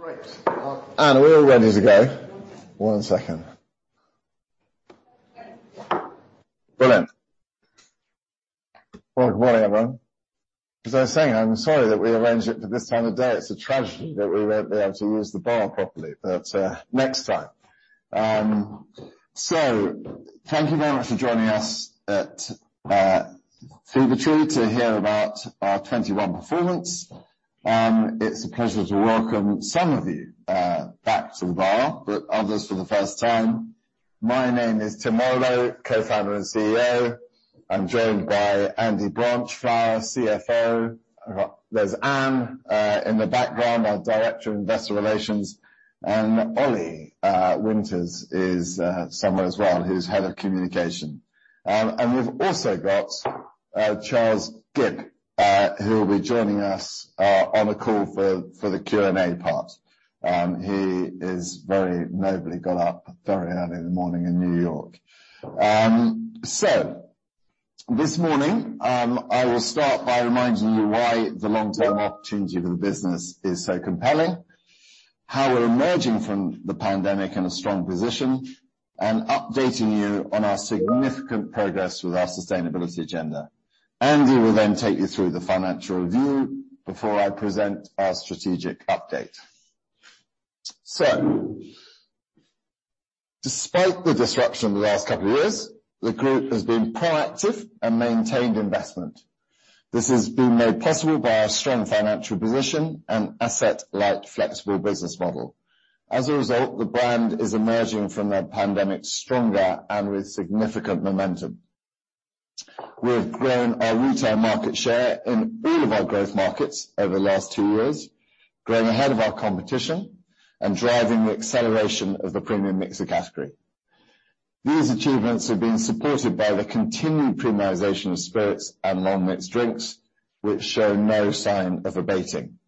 Great. We're all ready to go. One second. Brilliant. Well, good morning, everyone. As I was saying, I'm sorry that we arranged it for this time of day. It's a tragedy that we won't be able to use the bar properly, but next time. Thank you very much for joining us at Fever-Tree to hear about our 2021 performance. It's a pleasure to welcome some of you back to the bar, but others for the first time. My name is Tim Warrillow, Co-Founder and CEO. I'm joined by Andrew Branchflower, CFO. I've got Anne in the background, our Director of Investor Relations, and Oliver Winters is somewhere as well, who's Head of Communication. We've also got Charles Gibb, who will be joining us on the call for the Q&A part. He is very nobly got up very early in the morning in New York. This morning, I will start by reminding you why the long-term opportunity of the business is so compelling, how we're emerging from the pandemic in a strong position, and updating you on our significant progress with our sustainability agenda. Andy will then take you through the financial review before I present our strategic update. Despite the disruption in the last couple of years, the group has been proactive and maintained investment. This has been made possible by our strong financial position and asset light, flexible business model. As a result, the brand is emerging from the pandemic stronger and with significant momentum. We've grown our retail market share in all of our growth markets over the last two years, growing ahead of our competition and driving the acceleration of the premium mixer category. These achievements have been supported by the continued premiumization of spirits and long mixed drinks, which show no sign of abating.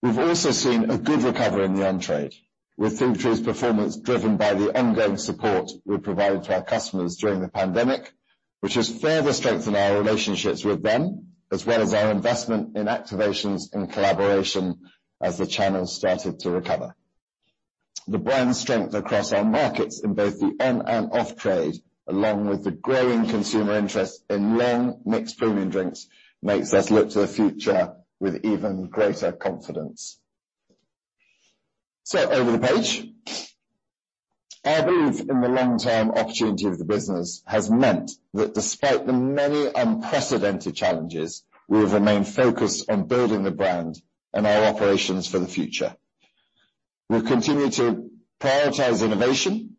We've also seen a good recovery in the on-trade, with Fever-Tree's performance driven by the ongoing support we provide to our customers during the pandemic, which has further strengthened our relationships with them, as well as our investment in activations and collaboration as the channel started to recover. The brand strength across our markets in both the on and off trade, along with the growing consumer interest in long mixed premium drinks, makes us look to the future with even greater confidence. Over the page. Our belief in the long-term opportunity of the business has meant that despite the many unprecedented challenges, we've remained focused on building the brand and our operations for the future. We'll continue to prioritize innovation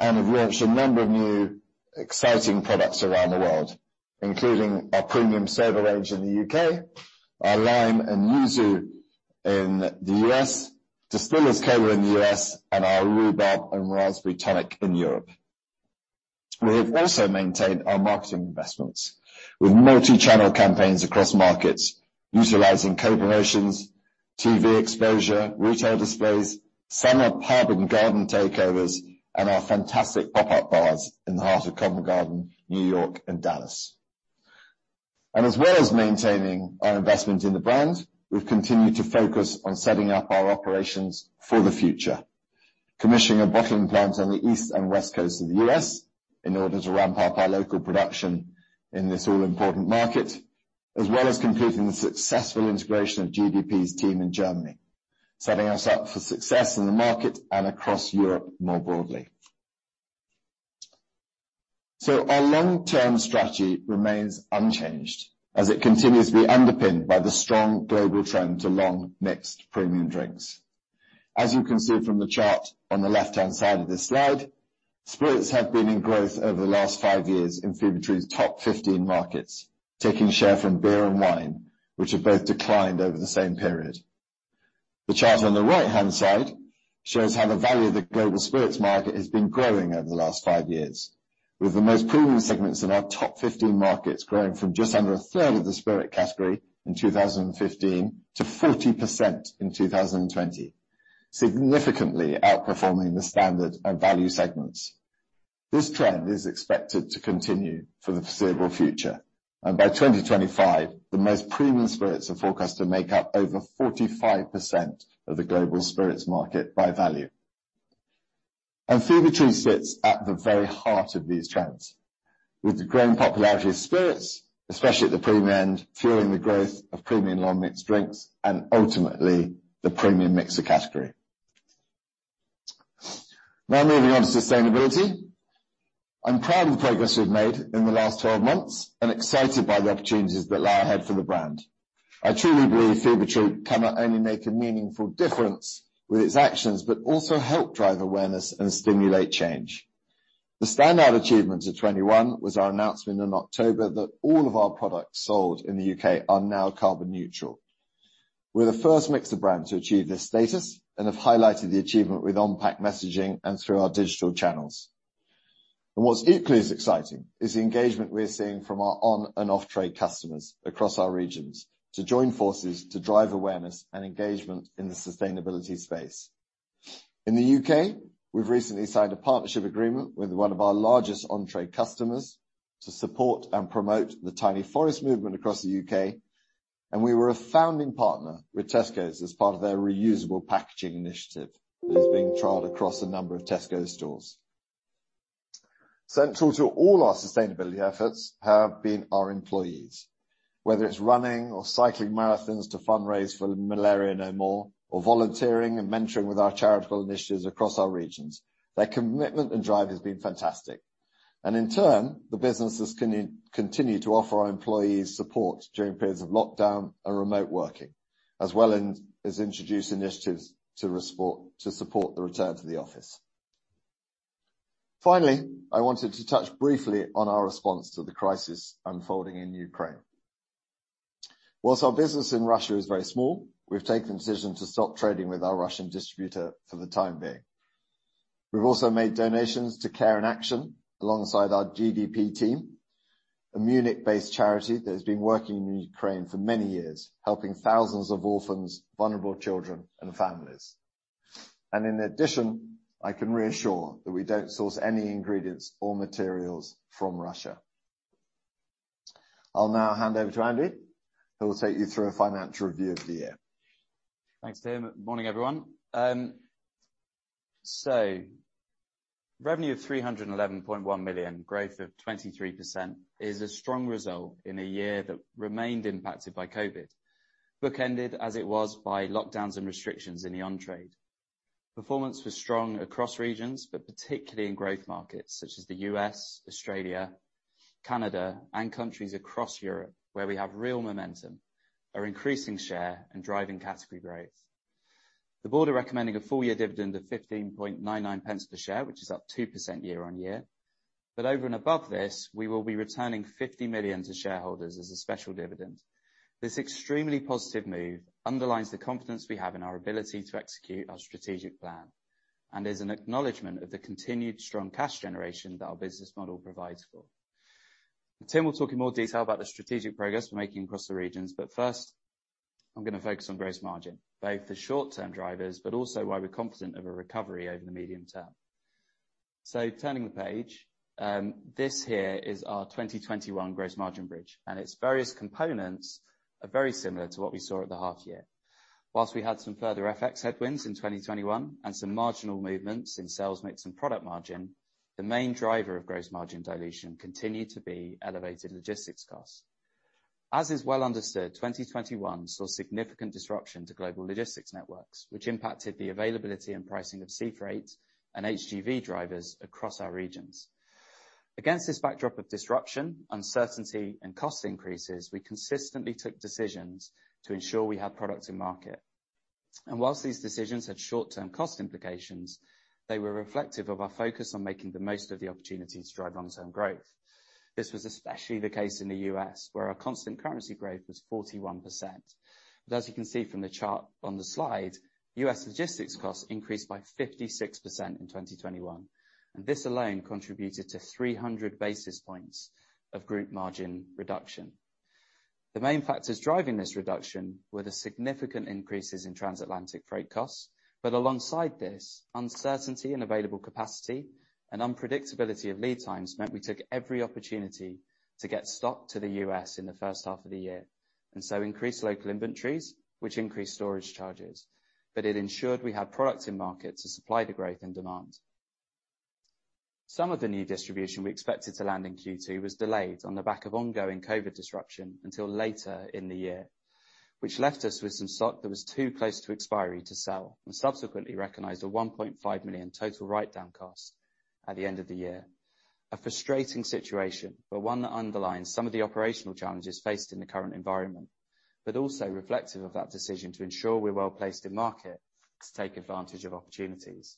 and have launched a number of new exciting products around the world, including our Premium Soda range in the U.K., our Lime and Yuzu in the U.S., Distillers Cola in the U.S., and our Rhubarb and Raspberry Tonic in Europe. We have also maintained our marketing investments with multi-channel campaigns across markets utilizing co-promotions, TV exposure, retail displays, summer pub and garden takeovers, and our fantastic pop-up bars in the heart of Covent Garden, New York and Dallas. As well as maintaining our investment in the brand, we've continued to focus on setting up our operations for the future, commissioning our bottling plants on the East and West Coast of the U.S. in order to ramp up our local production in this all-important market, as well as completing the successful integration of GDP's team in Germany, setting us up for success in the market and across Europe more broadly. Our long-term strategy remains unchanged as it continues to be underpinned by the strong global trend to long mixed premium drinks. As you can see from the chart on the left-hand side of this slide, spirits have been in growth over the last five years in Fever-Tree's top 15 markets, taking share from beer and wine, which have both declined over the same period. The chart on the right-hand side shows how the value of the global spirits market has been growing over the last five years, with the most premium segments in our top 15 markets growing from just under a third of the spirit category in 2015 to 40% in 2020, significantly outperforming the standard and value segments. This trend is expected to continue for the foreseeable future, and by 2025, the most premium spirits are forecast to make up over 45% of the global spirits market by value. Fever-Tree sits at the very heart of these trends. With the growing popularity of spirits, especially at the premium end, fueling the growth of premium long mixed drinks and ultimately the premium mixer category. Now moving on to sustainability. I'm proud of the progress we've made in the last 12 months and excited by the opportunities that lie ahead for the brand. I truly believe Fever-Tree can not only make a meaningful difference with its actions, but also help drive awareness and stimulate change. The standout achievement of 2021 was our announcement in October that all of our products sold in the U.K. are now carbon neutral. We're the first mixer brand to achieve this status and have highlighted the achievement with on-pack messaging and through our digital channels. What's equally as exciting is the engagement we're seeing from our on and off-trade customers across our regions to join forces to drive awareness and engagement in the sustainability space. In the U.K., we've recently signed a partnership agreement with one of our largest on trade customers to support and promote the Tiny Forest Movement across the U.K.. We were a founding partner with Tesco's as part of their reusable packaging initiative that is being trialed across a number of Tesco stores. Central to all our sustainability efforts have been our employees, whether it's running or cycling marathons to fundraise for Malaria No More or volunteering and mentoring with our charitable initiatives across our regions. Their commitment and drive has been fantastic. In turn, the businesses continue to offer our employees support during periods of lockdown and remote working, as well as introduce initiatives to support the return to the office. Finally, I wanted to touch briefly on our response to the crisis unfolding in Ukraine. While our business in Russia is very small, we've taken the decision to stop trading with our Russian distributor for the time being. We've also made donations to Care in Action, alongside our GDP team, a Munich-based charity that has been working in Ukraine for many years, helping thousands of orphans, vulnerable children, and families. In addition, I can reassure that we don't source any ingredients or materials from Russia. I'll now hand over to Andy, who will take you through a financial review of the year. Thanks, Tim. Morning, everyone. Revenue of 311.1 million, growth of 23% is a strong result in a year that remained impacted by COVID, bookended as it was by lockdowns and restrictions in the on-trade. Performance was strong across regions, but particularly in growth markets such as the U.S., Australia, Canada, and countries across Europe, where we have real momentum, are increasing share and driving category growth. The board are recommending a full-year dividend of 15.99 pence per share, which is up 2% year-on-year. Over and above this, we will be returning 50 million to shareholders as a special dividend. This extremely positive move underlines the confidence we have in our ability to execute our strategic plan, and is an acknowledgment of the continued strong cash generation that our business model provides for. Tim will talk in more detail about the strategic progress we're making across the regions, but first, I'm gonna focus on gross margin, both the short-term drivers, but also why we're confident of a recovery over the medium term. Turning the page, this here is our 2021 gross margin bridge, and its various components are very similar to what we saw at the half year. While we had some further FX headwinds in 2021 and some marginal movements in sales mix and product margin, the main driver of gross margin dilution continued to be elevated logistics costs. As is well understood, 2021 saw significant disruption to global logistics networks, which impacted the availability and pricing of sea freight and HGV drivers across our regions. Against this backdrop of disruption, uncertainty, and cost increases, we consistently took decisions to ensure we had product in market. While these decisions had short-term cost implications, they were reflective of our focus on making the most of the opportunity to drive long-term growth. This was especially the case in the U.S., where our constant currency growth was 41%. As you can see from the chart on the slide, U.S. logistics costs increased by 56% in 2021, and this alone contributed to 300 basis points of group margin reduction. The main factors driving this reduction were the significant increases in transatlantic freight costs. Alongside this, uncertainty in available capacity and unpredictability of lead times meant we took every opportunity to get stock to the U.S. in the first half of the year, and so increased local inventories, which increased storage charges. It ensured we had products in market to supply the growth and demand. Some of the new distribution we expected to land in Q2 was delayed on the back of ongoing COVID disruption until later in the year, which left us with some stock that was too close to expiry to sell, and subsequently recognized a 1.5 million total write-down cost at the end of the year. A frustrating situation, but one that underlines some of the operational challenges faced in the current environment, but also reflective of that decision to ensure we're well placed in market to take advantage of opportunities.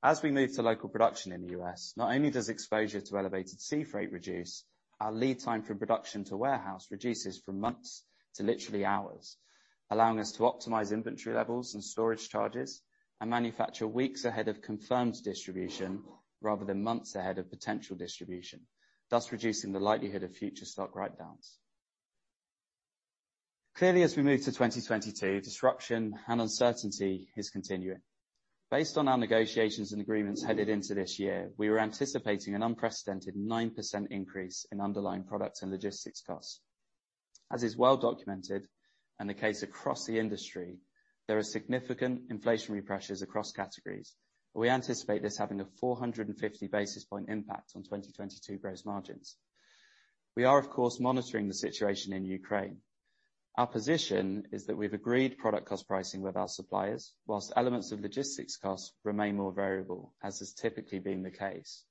As we move to local production in the U.S., not only does exposure to elevated sea freight reduce, our lead time from production to warehouse reduces from months to literally hours, allowing us to optimize inventory levels and storage charges and manufacture weeks ahead of confirmed distribution rather than months ahead of potential distribution, thus reducing the likelihood of future stock write downs. Clearly, as we move to 2022, disruption and uncertainty is continuing. Based on our negotiations and agreements headed into this year, we were anticipating an unprecedented 9% increase in underlying products and logistics costs. As is well documented and the case across the industry, there are significant inflationary pressures across categories. We anticipate this having a 450 basis point impact on 2022 gross margins. We are, of course, monitoring the situation in Ukraine. Our position is that we've agreed product cost pricing with our suppliers whilst elements of logistics costs remain more variable, as has typically been the case.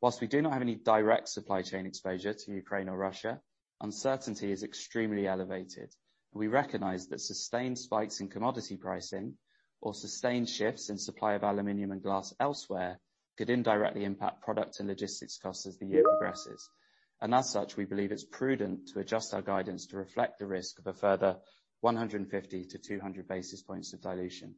Whilst we do not have any direct supply chain exposure to Ukraine or Russia, uncertainty is extremely elevated, and we recognize that sustained spikes in commodity pricing or sustained shifts in supply of aluminum and glass elsewhere could indirectly impact product and logistics costs as the year progresses. As such, we believe it's prudent to adjust our guidance to reflect the risk of a further 150-200 basis points of dilution.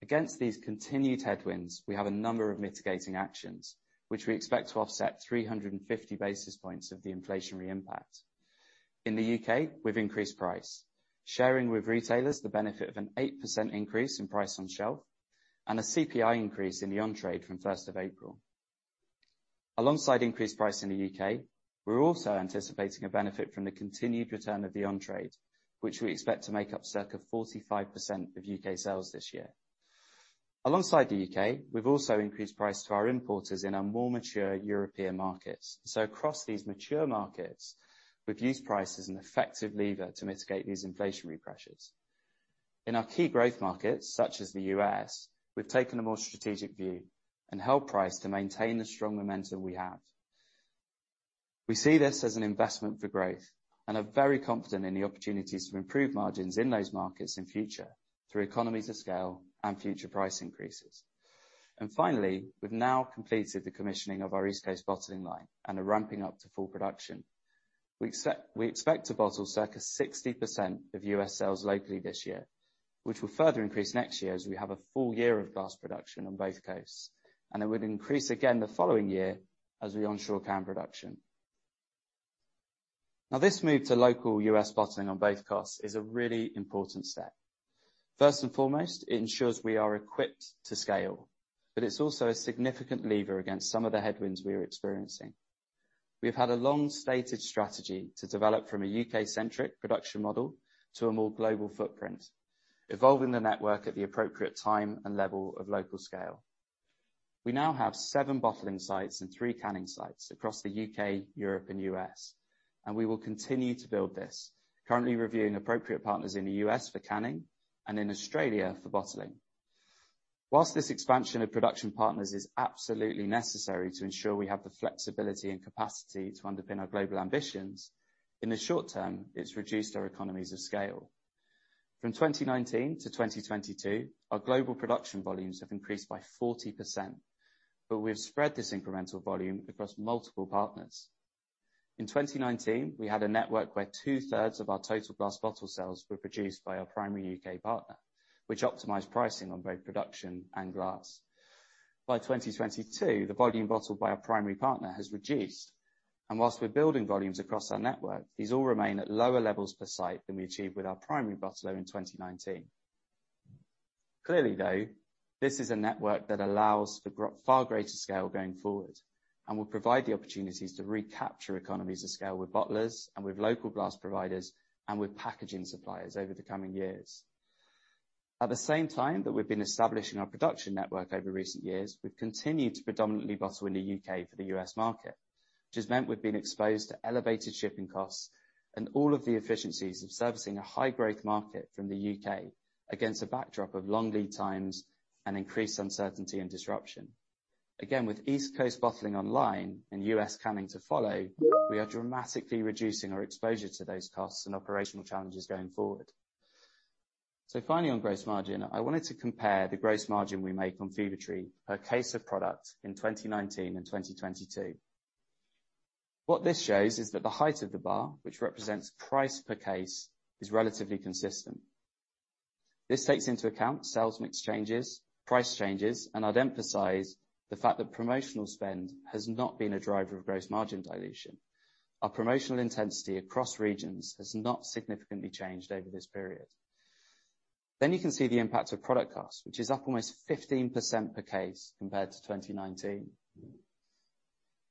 Against these continued headwinds, we have a number of mitigating actions, which we expect to offset 350 basis points of the inflationary impact. In the U.K., we've increased price, sharing with retailers the benefit of an 8% increase in price on shelf and a CPI increase in the on-trade from first of April. Alongside increased price in the U.K., we're also anticipating a benefit from the continued return of the on-trade, which we expect to make up circa 45% of U.K. sales this year. Alongside the U.K., we've also increased price to our importers in our more mature European markets. Across these mature markets, we've used price as an effective lever to mitigate these inflationary pressures. In our key growth markets such as the U.S., we've taken a more strategic view and held price to maintain the strong momentum we have. We see this as an investment for growth and are very confident in the opportunities to improve margins in those markets in future through economies of scale and future price increases. Finally, we've now completed the commissioning of our East Coast bottling line and are ramping up to full production. We expect to bottle circa 60% of U.S. sales locally this year, which will further increase next year as we have a full year of glass production on both coasts, and it would increase again the following year as we onshore can production. Now, this move to local U.S. bottling on both coasts is a really important step. First and foremost, it ensures we are equipped to scale, but it's also a significant lever against some of the headwinds we are experiencing. We've had a long-stated strategy to develop from a U.K.-centric production model to a more global footprint, evolving the network at the appropriate time and level of local scale. We now have seven bottling sites and three canning sites across the U.K., Europe and U.S., and we will continue to build this, currently reviewing appropriate partners in the U.S. for canning and in Australia for bottling. Whilst this expansion of production partners is absolutely necessary to ensure we have the flexibility and capacity to underpin our global ambitions, in the short term, it's reduced our economies of scale. From 2019 to 2022, our global production volumes have increased by 40%, but we've spread this incremental volume across multiple partners. In 2019, we had a network where two-thirds of our total glass bottle sales were produced by our primary U.K. partner, which optimized pricing on both production and glass. By 2022, the volume bottled by our primary partner has reduced, and while we're building volumes across our network, these all remain at lower levels per site than we achieved with our primary bottler in 2019. Clearly, though, this is a network that allows for far greater scale going forward and will provide the opportunities to recapture economies of scale with bottlers and with local glass providers and with packaging suppliers over the coming years. At the same time that we've been establishing our production network over recent years, we've continued to predominantly bottle in the U.K. for the U.S. market, which has meant we've been exposed to elevated shipping costs and all of the efficiencies of servicing a high-growth market from the U.K. against a backdrop of long lead times and increased uncertainty and disruption. Again, with East Coast bottling online and U.S. canning to follow, we are dramatically reducing our exposure to those costs and operational challenges going forward. Finally, on gross margin, I wanted to compare the gross margin we make on Fever-Tree per case of product in 2019 and 2022. What this shows is that the height of the bar, which represents price per case, is relatively consistent. This takes into account sales mix changes, price changes, and I'd emphasize the fact that promotional spend has not been a driver of gross margin dilution. Our promotional intensity across regions has not significantly changed over this period. You can see the impact of product costs, which is up almost 15% per case compared to 2019,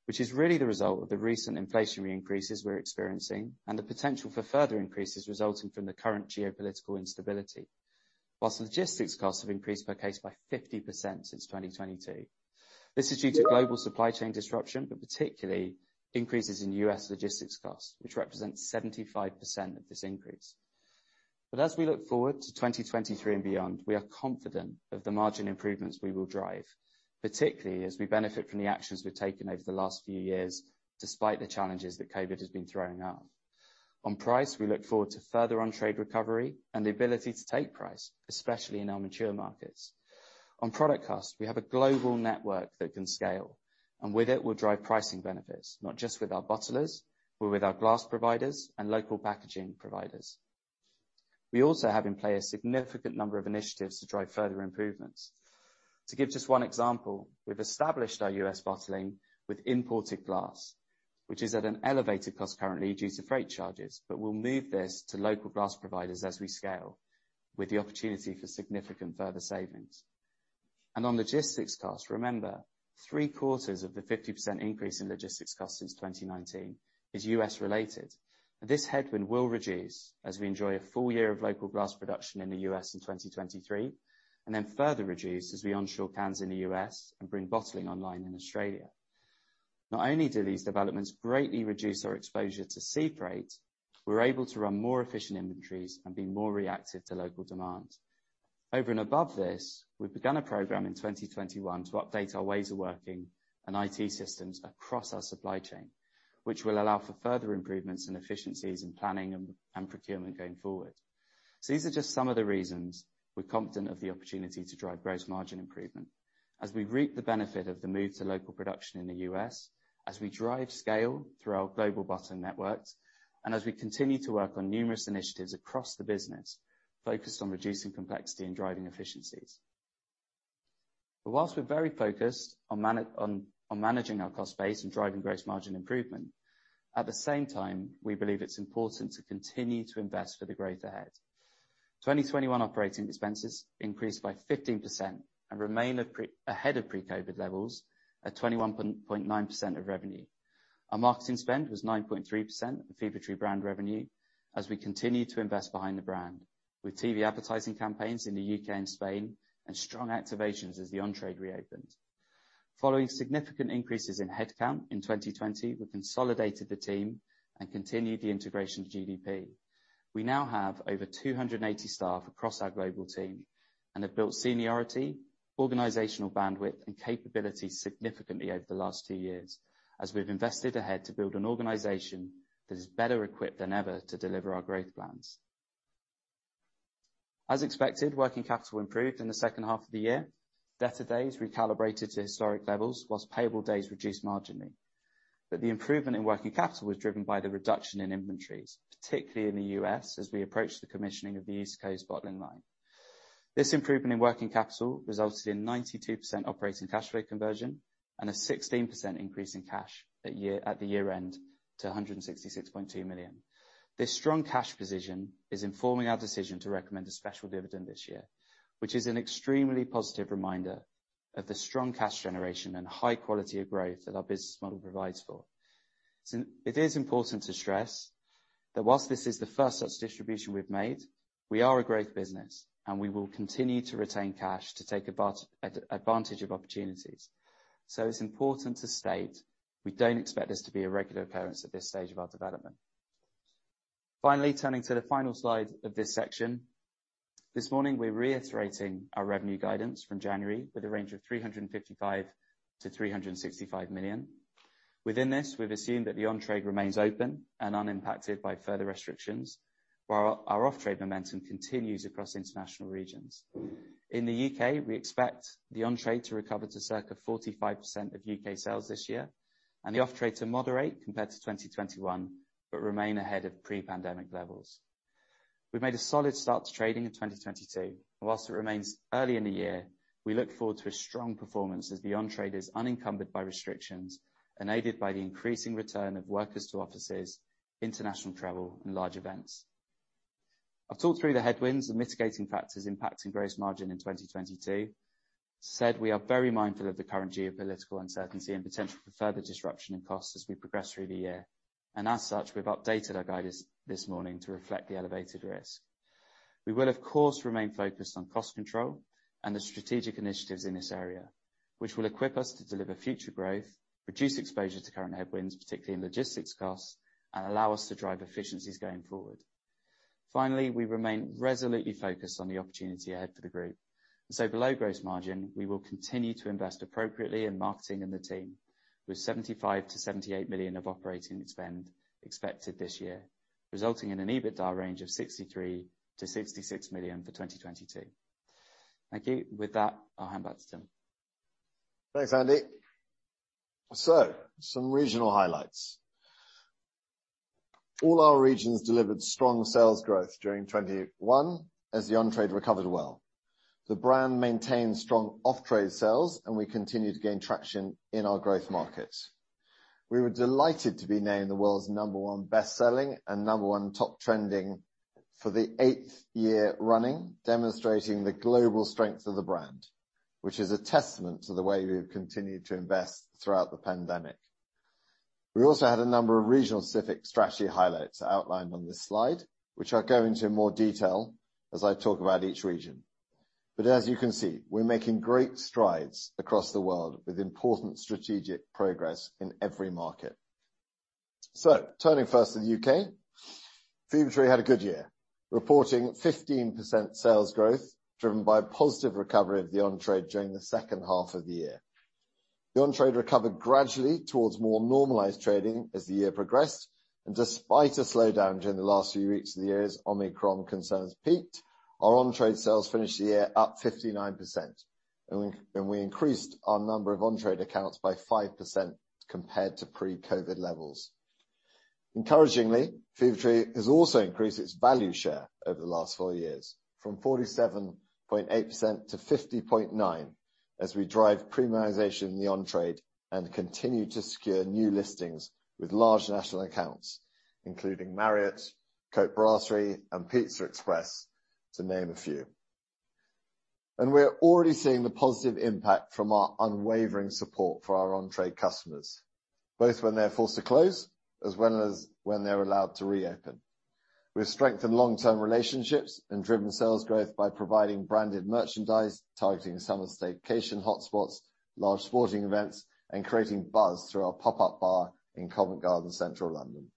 which is really the result of the recent inflationary increases we're experiencing and the potential for further increases resulting from the current geopolitical instability. While logistics costs have increased per case by 50% since 2022. This is due to global supply chain disruption, but particularly increases in U.S. logistics costs, which represents 75% of this increase. As we look forward to 2023 and beyond, we are confident of the margin improvements we will drive, particularly as we benefit from the actions we've taken over the last few years, despite the challenges that COVID has been throwing out. On price, we look forward to further on-trade recovery and the ability to take price, especially in our mature markets. On product costs, we have a global network that can scale, and with it we'll drive pricing benefits, not just with our bottlers, but with our glass providers and local packaging providers. We also have in play a significant number of initiatives to drive further improvements. To give just one example, we've established our U.S. bottling with imported glass, which is at an elevated cost currently due to freight charges, but we'll move this to local glass providers as we scale with the opportunity for significant further savings. On logistics costs, remember, three-quarters of the 50% increase in logistics costs since 2019 is U.S. related, and this headwind will reduce as we enjoy a full year of local glass production in the U.S. in 2023, and then further reduce as we onshore cans in the U.S. and bring bottling online in Australia. Not only do these developments greatly reduce our exposure to sea freight, we're able to run more efficient inventories and be more reactive to local demands. Over and above this, we've begun a program in 2021 to update our ways of working and IT systems across our supply chain, which will allow for further improvements in efficiencies in planning and procurement going forward. These are just some of the reasons we're confident of the opportunity to drive gross margin improvement as we reap the benefit of the move to local production in the U.S., as we drive scale through our global bottling networks, and as we continue to work on numerous initiatives across the business focused on reducing complexity and driving efficiencies. While we're very focused on managing our cost base and driving gross margin improvement, at the same time, we believe it's important to continue to invest for the growth ahead. 2021 operating expenses increased by 15% and remained ahead of pre-COVID levels at 21.9% of revenue. Our marketing spend was 9.3% of Fever-Tree brand revenue as we continued to invest behind the brand, with TV advertising campaigns in the U.K. and Spain and strong activations as the on-trade reopened. Following significant increases in headcount in 2020, we consolidated the team and continued the integration of GDP. We now have over 280 staff across our global team and have built seniority, organizational bandwidth, and capability significantly over the last two years as we've invested ahead to build an organization that is better equipped than ever to deliver our growth plans. As expected, working capital improved in the H2 of the year. Debtor days recalibrated to historic levels, while payable days reduced marginally. The improvement in working capital was driven by the reduction in inventories, particularly in the U.S. as we approached the commissioning of the East Coast bottling line. This improvement in working capital resulted in 92% operating cash flow conversion and a 16% increase in cash that year, at the year-end to 166.2 million. This strong cash position is informing our decision to recommend a special dividend this year, which is an extremely positive reminder of the strong cash generation and high quality of growth that our business model provides for. It is important to stress that while this is the first such distribution we've made, we are a growth business, and we will continue to retain cash to take advantage of opportunities. It's important to state, we don't expect this to be a regular occurrence at this stage of our development. Finally, turning to the final slide of this section. This morning we're reiterating our revenue guidance from January with a range of 355-365 million. Within this, we've assumed that the on-trade remains open and unimpacted by further restrictions, while our off-trade momentum continues across international regions. In the U.K., we expect the on-trade to recover to circa 45% of U.K. sales this year, and the off-trade to moderate compared to 2021, but remain ahead of pre-pandemic levels. We've made a solid start to trading in 2022, and while it remains early in the year, we look forward to a strong performance as the on-trade is unencumbered by restrictions, enabled by the increasing return of workers to offices, international travel, and large events. I've talked through the headwinds and mitigating factors impacting gross margin in 2022. As I said, we are very mindful of the current geopolitical uncertainty and potential for further disruption in costs as we progress through the year. As such, we've updated our guidance this morning to reflect the elevated risk. We will of course remain focused on cost control and the strategic initiatives in this area, which will equip us to deliver future growth, reduce exposure to current headwinds, particularly in logistics costs, and allow us to drive efficiencies going forward. Finally, we remain resolutely focused on the opportunity ahead for the group. Below gross margin, we will continue to invest appropriately in marketing and the team with 75-78 million of operating spend expected this year, resulting in an EBITDA range of 63-66 million for 2022. Thank you. With that, I'll hand back to Tim. Thanks, Andy. Some regional highlights. All our regions delivered strong sales growth during 2021 as the on-trade recovered well. The brand maintained strong off-trade sales, and we continued to gain traction in our growth markets. We were delighted to be named the world's number one best-selling and number one top trending for the eighth year running, demonstrating the global strength of the brand, which is a testament to the way we've continued to invest throughout the pandemic. We also had a number of region-specific strategy highlights outlined on this slide, which I'll go into in more detail as I talk about each region. As you can see, we're making great strides across the world with important strategic progress in every market. Turning first to the U.K., Fever-Tree had a good year, reporting 15% sales growth driven by a positive recovery of the on-trade during the second half of the year. The on-trade recovered gradually towards more normalized trading as the year progressed, and despite a slowdown during the last few weeks of the year as Omicron concerns peaked, our on-trade sales finished the year up 59%, and we increased our number of on-trade accounts by 5% compared to pre-COVID levels. Encouragingly, Fever-Tree has also increased its value share over the last four years from 47.8% to 50.9% as we drive premiumization in the on-trade and continue to secure new listings with large national accounts, including Marriott, Côte Brasserie, and PizzaExpress, to name a few. We're already seeing the positive impact from our unwavering support for our on-trade customers, both when they're forced to close as well as when they're allowed to reopen. We've strengthened long-term relationships and driven sales growth by providing branded merchandise, targeting summer staycation hotspots, large sporting events, and creating buzz through our pop-up bar in Covent Garden, central London.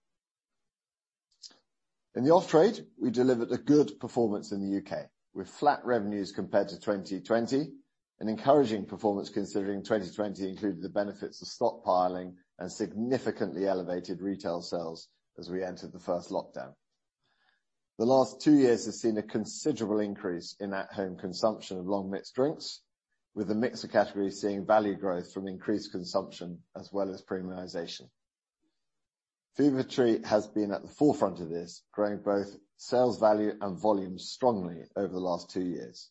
In the off-trade, we delivered a good performance in the U.K. with flat revenues compared to 2020, an encouraging performance considering 2020 included the benefits of stockpiling and significantly elevated retail sales as we entered the first lockdown. The last two years have seen a considerable increase in at-home consumption of long-mix drinks, with the mixer category seeing value growth from increased consumption as well as premiumization. Fever-Tree has been at the forefront of this, growing both sales value and volume strongly over the last two years.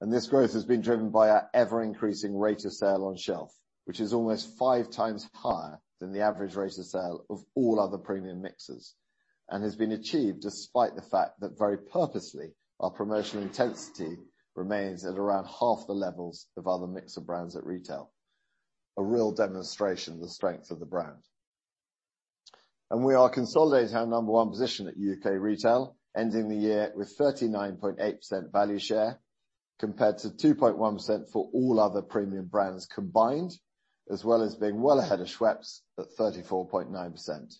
This growth has been driven by our ever-increasing rate of sale on shelf, which is almost 5x higher than the average rate of sale of all other premium mixers, and has been achieved despite the fact that very purposely, our promotional intensity remains at around half the levels of other mixer brands at retail. A real demonstration of the strength of the brand. We are consolidating our number one position at U.K. retail, ending the year with 39.8% value share compared to 2.1% for all other premium brands combined, as well as being well ahead of Schweppes at 34.9%.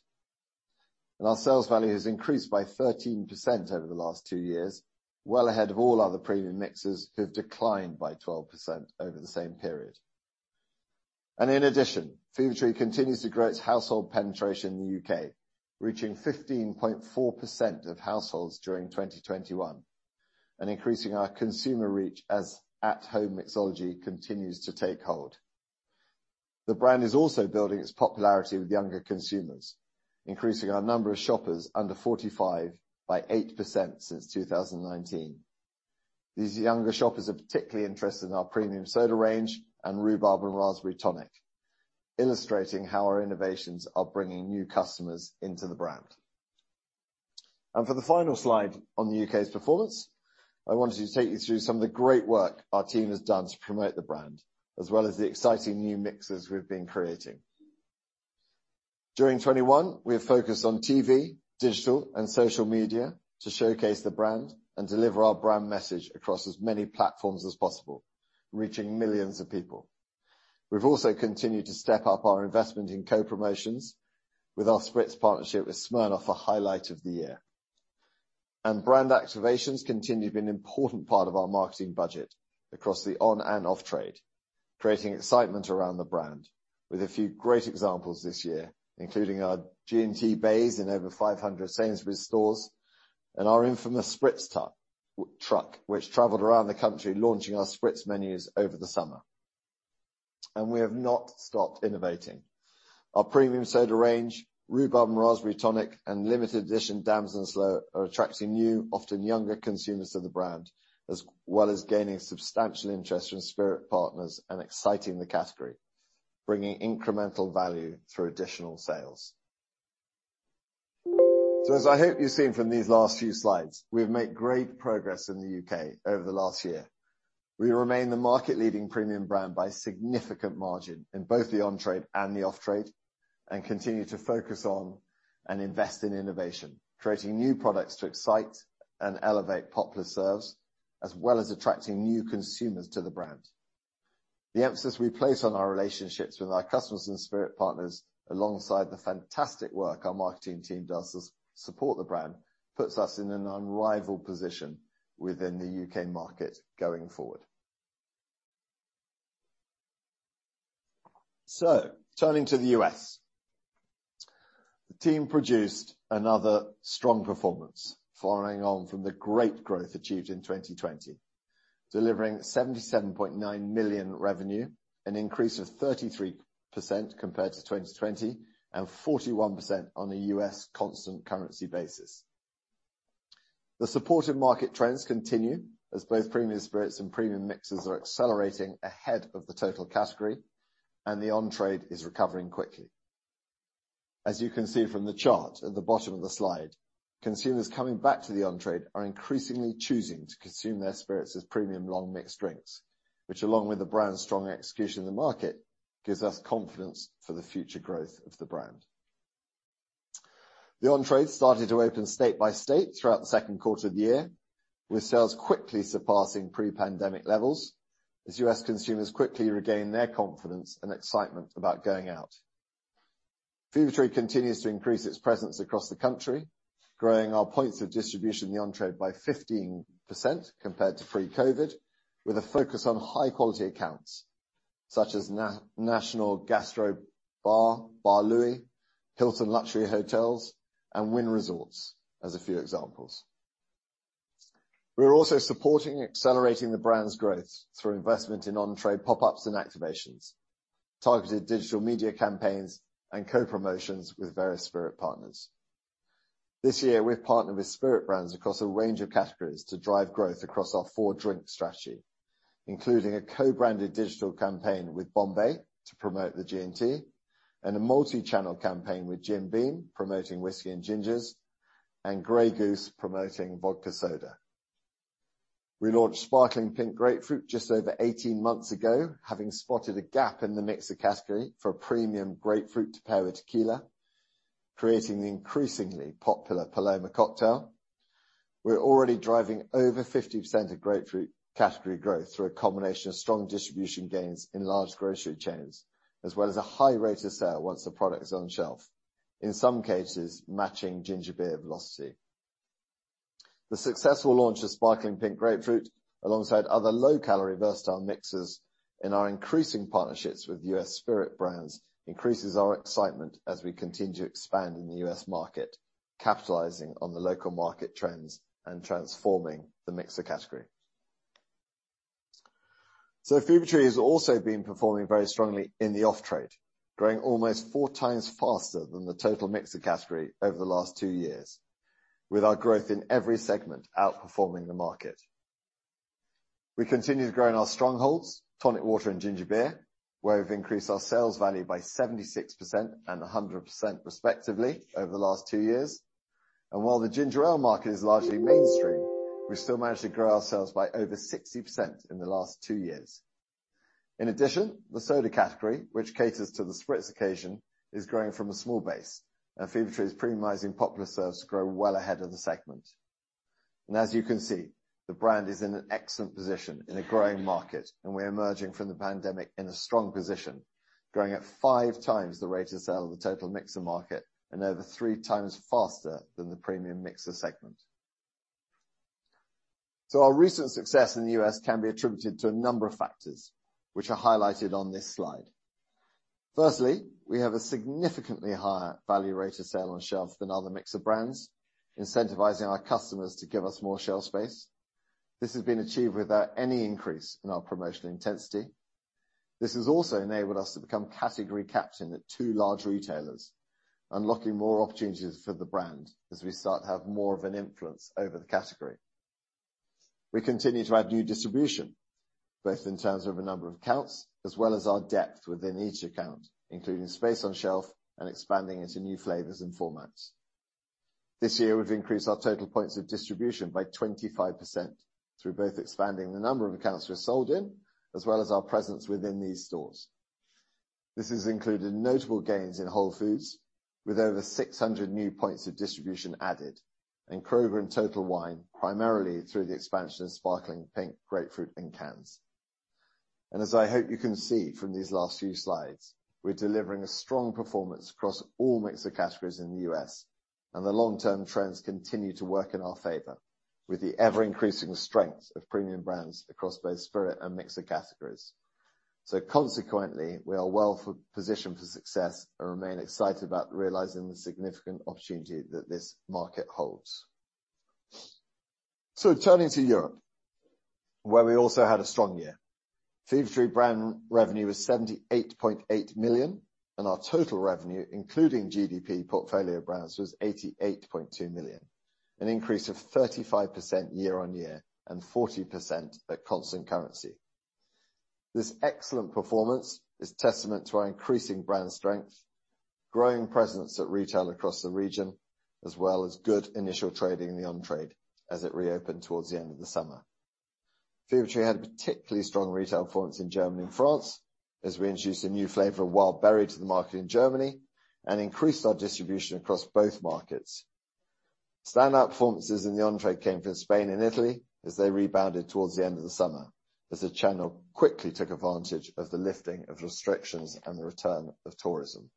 Our sales value has increased by 13% over the last two years, well ahead of all other premium mixers who've declined by 12% over the same period. In addition, Fever-Tree continues to grow its household penetration in the U.K., reaching 15.4% of households during 2021, and increasing our consumer reach as at-home mixology continues to take hold. The brand is also building its popularity with younger consumers, increasing our number of shoppers under 45 by 8% since 2019. These younger shoppers are particularly interested in our Premium Soda range and Rhubarb and Raspberry Tonic, illustrating how our innovations are bringing new customers into the brand. For the final slide on the U.K.'s performance, I wanted to take you through some of the great work our team has done to promote the brand, as well as the exciting new mixes we've been creating. During 2021, we have focused on TV, digital, and social media to showcase the brand and deliver our brand message across as many platforms as possible, reaching millions of people. We've also continued to step up our investment in co-promotions with our spritz partnership with Smirnoff, a highlight of the year. Brand activations continue to be an important part of our marketing budget across the on- and off-trade, creating excitement around the brand with a few great examples this year, including our G&T base in over 500 Sainsbury's stores and our infamous spritz tour truck which traveled around the country launching our spritz menus over the summer. We have not stopped innovating. Our Premium Soda range, Rhubarb & Raspberry Tonic Water and limited edition Damson & Sloe Berry Tonic Water are attracting new, often younger consumers to the brand, as well as gaining substantial interest from spirit partners and exciting the category, bringing incremental value through additional sales. As I hope you've seen from these last few slides, we've made great progress in the U.K. over the last year. We remain the market-leading premium brand by a significant margin in both the on-trade and the off-trade, and continue to focus on and invest in innovation, creating new products to excite and elevate popular serves, as well as attracting new consumers to the brand. The emphasis we place on our relationships with our customers and spirit partners, alongside the fantastic work our marketing team does to support the brand, puts us in an unrivaled position within the U.K. market going forward. Turning to the U.S. The team produced another strong performance following on from the great growth achieved in 2020, delivering 77.9 million revenue, an increase of 33% compared to 2020 and 41% on a U.S. constant currency basis. The supportive market trends continue as both premium spirits and premium mixers are accelerating ahead of the total category and the on-trade is recovering quickly. As you can see from the chart at the bottom of the slide, consumers coming back to the on-trade are increasingly choosing to consume their spirits as premium long mixed drinks, which along with the brand's strong execution in the market, gives us confidence for the future growth of the brand. The on-trade started to open state by state throughout Q2 of the year, with sales quickly surpassing pre-pandemic levels as U.S. consumers quickly regained their confidence and excitement about going out. Fever-Tree continues to increase its presence across the country, growing our points of distribution in the on-trade by 15% compared to pre-COVID, with a focus on high-quality accounts such as national gastro bar, Bar Louie, Hilton luxury hotels, and Wynn Resorts, as a few examples. We are also supporting accelerating the brand's growth through investment in on-trade pop-ups and activations, targeted digital media campaigns, and co-promotions with various spirit partners. This year, we've partnered with spirit brands across a range of categories to drive growth across our four drink strategy, including a co-branded digital campaign with Bombay to promote the G&T and a multi-channel campaign with Jim Beam promoting whiskey and gingers and Grey Goose promoting vodka soda. We launched Sparkling Pink Grapefruit just over 18 months ago, having spotted a gap in the mixer category for a premium grapefruit to pair with tequila, creating the increasingly popular Paloma cocktail. We're already driving over 50% of grapefruit category growth through a combination of strong distribution gains in large grocery chains, as well as a high rate of sale once the product is on shelf, in some cases, matching Ginger Beer velocity. The successful launch of Sparkling Pink Grapefruit, alongside other low-calorie versatile mixers and our increasing partnerships with U.S. spirit brands, increases our excitement as we continue to expand in the U.S. market, capitalizing on the local market trends and transforming the mixer category. Fever-Tree has also been performing very strongly in the off-trade, growing almost 4x faster than the total mixer category over the last two years, with our growth in every segment outperforming the market. We continue to grow in our strongholds, tonic water and ginger beer, where we've increased our sales value by 76% and 100% respectively over the last two years. While the ginger ale market is largely mainstream, we still managed to grow our sales by over 60% in the last two years. In addition, the soda category, which caters to the spritz occasion, is growing from a small base, and Fever-Tree's premiumizing popular serves grow well ahead of the segment. As you can see, the brand is in an excellent position in a growing market, and we're emerging from the pandemic in a strong position, growing at 5x the rate of sale of the total mixer market and over 3x faster than the premium mixer segment. Our recent success in the U.S. can be attributed to a number of factors which are highlighted on this slide. Firstly, we have a significantly higher value rate of sale on shelf than other mixer brands, incentivizing our customers to give us more shelf space. This has been achieved without any increase in our promotional intensity. This has also enabled us to become Category Captain at two large retailers, unlocking more opportunities for the brand as we start to have more of an influence over the category. We continue to add new distribution, both in terms of a number of accounts, as well as our depth within each account, including space on shelf and expanding into new flavors and formats. This year, we've increased our total points of distribution by 25% through both expanding the number of accounts we've sold in, as well as our presence within these stores. This has included notable gains in Whole Foods with over 600 new points of distribution added and Kroger and Total Wine primarily through the expansion of Sparkling Pink Grapefruit in cans. I hope you can see from these last few slides, we're delivering a strong performance across all mixer categories in the U.S., and the long-term trends continue to work in our favor with the ever-increasing strength of premium brands across both spirit and mixer categories. Consequently, we are well positioned for success and remain excited about realizing the significant opportunity that this market holds. Turning to Europe, where we also had a strong year. Fever-Tree brand revenue was 78.8 million, and our total revenue, including GDP portfolio brands, was 88.2 million, an increase of 35% year-on-year and 40% at constant currency. This excellent performance is testament to our increasing brand strength, growing presence at retail across the region, as well as good initial trading in the on-trade as it reopened towards the end of the summer. Fever-Tree had a particularly strong retail performance in Germany and France as we introduced a new flavor of wild berry to the market in Germany and increased our distribution across both markets. Standout performances in the on-trade came from Spain and Italy as they rebounded towards the end of the summer as the channel quickly took advantage of the lifting of restrictions and the return of tourism.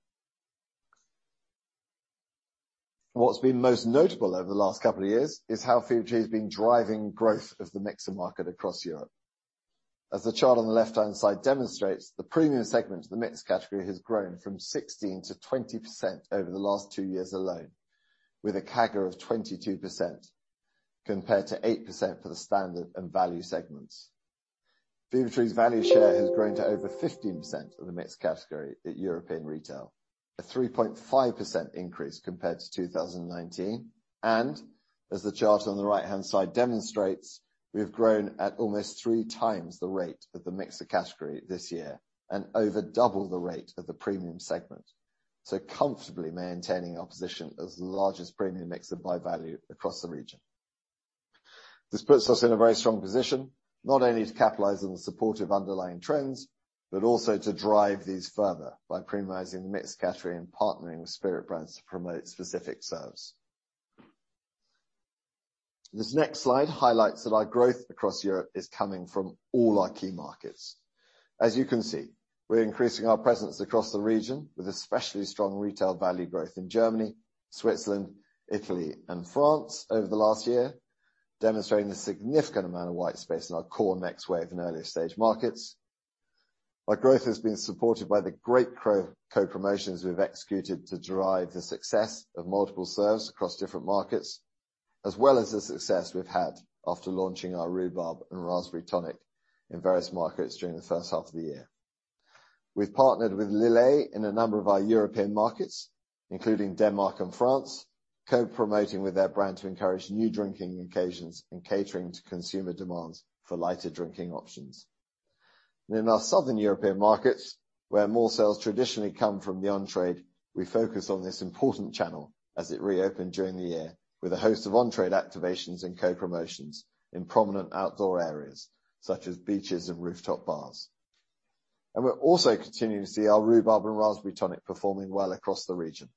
What's been most notable over the last couple of years is how Fever-Tree has been driving growth of the mixer market across Europe. As the chart on the left-hand side demonstrates, the premium segment of the mix category has grown from 16%-20% over the last two years alone, with a CAGR of 22%, compared to 8% for the standard and value segments. Fever-Tree's value share has grown to over 15% of the mixer category at European retail, a 3.5% increase compared to 2019. As the chart on the right-hand side demonstrates, we have grown at almost 3x the rate of the mixer category this year and over double the rate of the premium segment, so comfortably maintaining our position as the largest premium mixer by value across the region. This puts us in a very strong position, not only to capitalize on the supportive underlying trends, but also to drive these further by premiumizing the mixer category and partnering with spirit brands to promote specific serves. This next slide highlights that our growth across Europe is coming from all our key markets. As you can see, we're increasing our presence across the region with especially strong retail value growth in Germany, Switzerland, Italy, and France over the last year, demonstrating a significant amount of white space in our core next wave in early stage markets. Our growth has been supported by the great co-promotions we've executed to drive the success of multiple serves across different markets, as well as the success we've had after launching our Rhubarb and Raspberry Tonic in various markets during the first half of the year. We've partnered with Lillet in a number of our European markets, including Denmark and France, co-promoting with their brand to encourage new drinking occasions and catering to consumer demands for lighter drinking options. In our Southern European markets, where more sales traditionally come from the on-trade, we focus on this important channel as it reopened during the year with a host of on-trade activations and co-promotions in prominent outdoor areas such as beaches and rooftop bars. We're also continuing to see our Rhubarb and Raspberry Tonic performing well across the region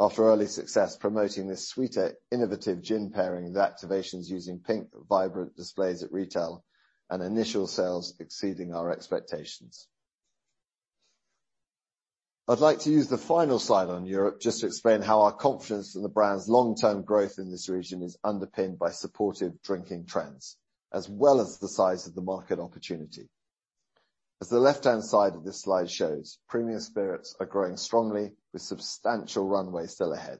after early success promoting this sweeter innovative gin pairing with activations using pink vibrant displays at retail and initial sales exceeding our expectations. I'd like to use the final slide on Europe just to explain how our confidence in the brand's long-term growth in this region is underpinned by supportive drinking trends, as well as the size of the market opportunity. As the left-hand side of this slide shows, premium spirits are growing strongly with substantial runway still ahead.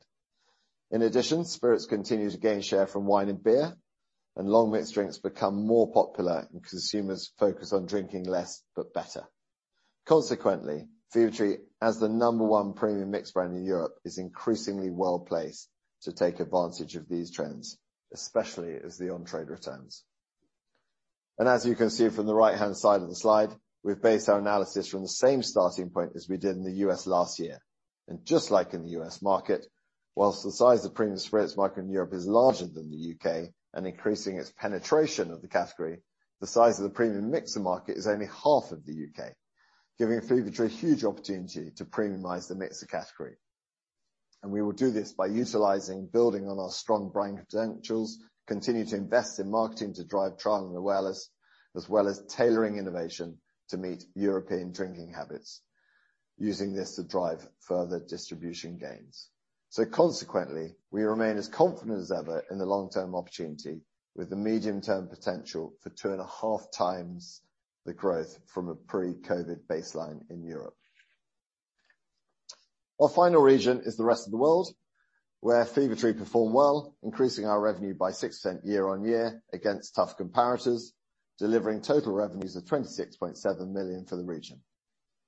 In addition, spirits continue to gain share from wine and beer, and as long mixed drinks become more popular and consumers focus on drinking less but better. Consequently, Fever-Tree, as the number one premium mixer brand in Europe, is increasingly well-placed to take advantage of these trends, especially as the on-trade returns. As you can see from the right-hand side of the slide, we've based our analysis on the same starting point as we did in the U.S. last year. Just like in the U.S. market, while the size of premium spirits market in Europe is larger than the U.K. and increasing its penetration of the category, the size of the premium mixer market is only half of the U.K., giving Fever-Tree huge opportunity to premiumize the mixer category. We will do this by utilizing building on our strong brand credentials, continue to invest in marketing to drive trial and awareness, as well as tailoring innovation to meet European drinking habits, using this to drive further distribution gains. Consequently, we remain as confident as ever in the long-term opportunity with the medium-term potential for 2.5x the growth from a pre-COVID baseline in Europe. Our final region is the rest of the world, where Fever-Tree performed well, increasing our revenue by 6% year-on-year against tough comparators, delivering total revenues of 26.7 million for the region.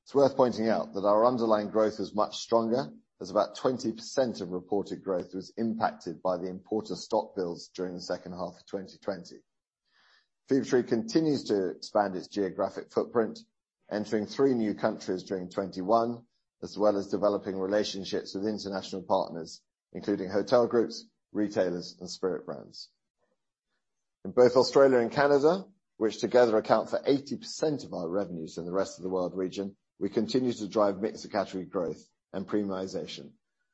It's worth pointing out that our underlying growth is much stronger, as about 20% of reported growth was impacted by the importer stock builds during the second half of 2020. Fever-Tree continues to expand its geographic footprint, entering three new countries during 2021, as well as developing relationships with international partners, including hotel groups, retailers, and spirit brands. In both Australia and Canada, which together account for 80% of our revenues in the rest of the world region, we continue to drive mixer category growth and premiumization,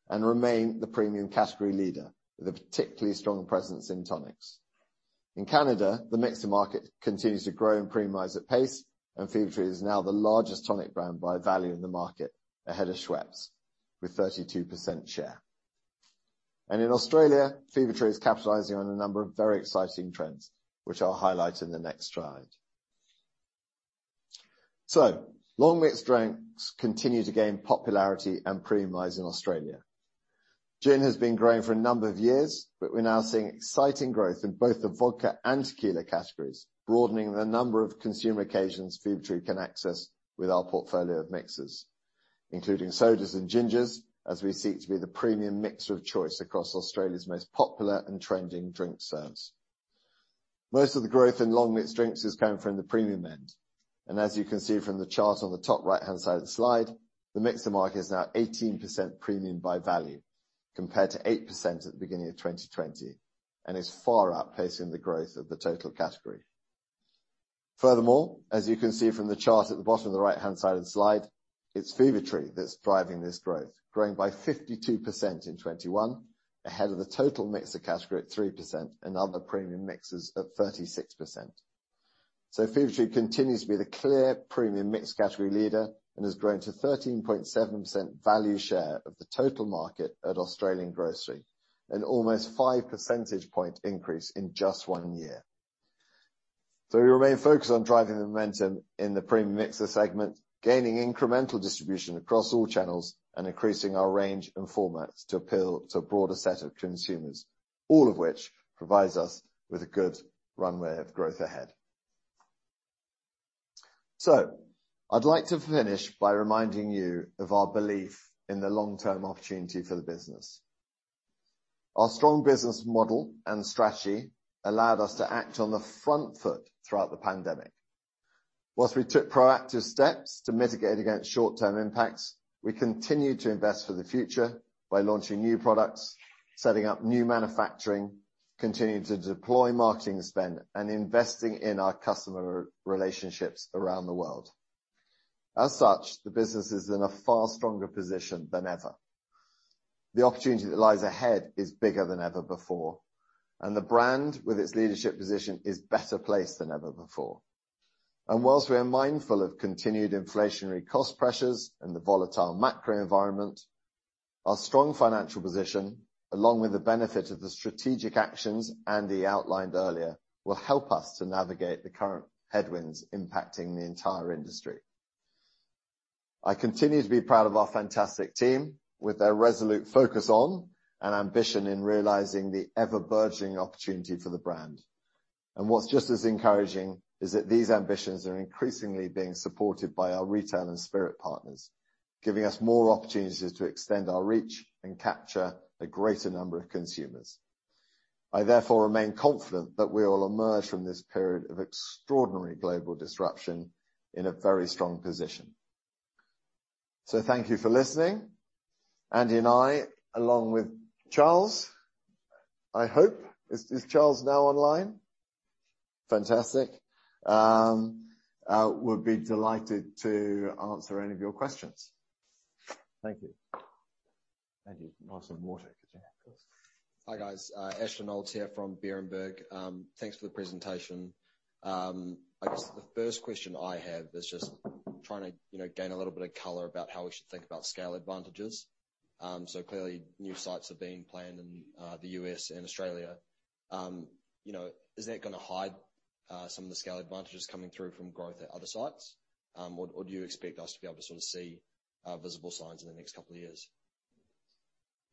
and remain the premium category leader, with a particularly strong presence in tonics. In Canada, the mixer market continues to grow and premiumize at pace, and Fever-Tree is now the largest tonic brand by value in the market ahead of Schweppes with 32% share. In Australia, Fever-Tree is capitalizing on a number of very exciting trends, which I'll highlight in the next slide. Long mixed drinks continue to gain popularity and premiumize in Australia. Gin has been growing for a number of years, but we're now seeing exciting growth in both the vodka and tequila categories, broadening the number of consumer occasions Fever-Tree can access with our portfolio of mixers, including sodas and gingers, as we seek to be the premium mixer of choice across Australia's most popular and trending drink serves. Most of the growth in long mixed drinks is coming from the premium end. As you can see from the chart on the top right-hand side of the slide, the mixer market is now 18% premium by value, compared to 8% at the beginning of 2020, and is far outpacing the growth of the total category. Furthermore, as you can see from the chart at the bottom of the right-hand side of the slide, it's Fever-Tree that's driving this growth, growing by 52% in 2021, ahead of the total mixer category at 3% and other premium mixers at 36%. Fever-Tree continues to be the clear premium mixer category leader and has grown to 13.7% value share of the total market at Australian Grocery, an almost five percentage point increase in just one year. We remain focused on driving the momentum in the premium mixer segment, gaining incremental distribution across all channels, and increasing our range and formats to appeal to a broader set of consumers, all of which provides us with a good runway of growth ahead. I'd like to finish by reminding you of our belief in the long-term opportunity for the business. Our strong business model and strategy allowed us to act on the front foot throughout the pandemic. While we took proactive steps to mitigate against short-term impacts, we continued to invest for the future by launching new products, setting up new manufacturing, continuing to deploy marketing spend, and investing in our customer relationships around the world. The business is in a far stronger position than ever. The opportunity that lies ahead is bigger than before, and the brand, with its leadership position, is better placed than ever before. While we are mindful of continued inflationary cost pressures and the volatile macro environment, our strong financial position, along with the benefit of the strategic actions Andy outlined earlier, will help us to navigate the current headwinds impacting the entire industry. I continue to be proud of our fantastic team with their resolute focus on and ambition in realizing the ever-burgeoning opportunity for the brand. What's just as encouraging is that these ambitions are increasingly being supported by our retail and spirit partners, giving us more opportunities to extend our reach and capture a greater number of consumers. I therefore remain confident that we will emerge from this period of extraordinary global disruption in a very strong position. Thank you for listening. Andy and I, along with Charles, I hope. Is Charles now online? Fantastic. Would be delighted to answer any of your questions. Thank you. Andy, can I have some water, could ya? Of course. Hi, guys. Ashton Olds here from Berenberg. Thanks for the presentation. I guess the first question I have is just trying to, you know, gain a little bit of color about how we should think about scale advantages. Clearly, new sites are being planned in the U.S. and Australia. You know, is that gonna hide Some of the scale advantages coming through from growth at other sites. Do you expect us to be able to sort of see visible signs in the next couple of years?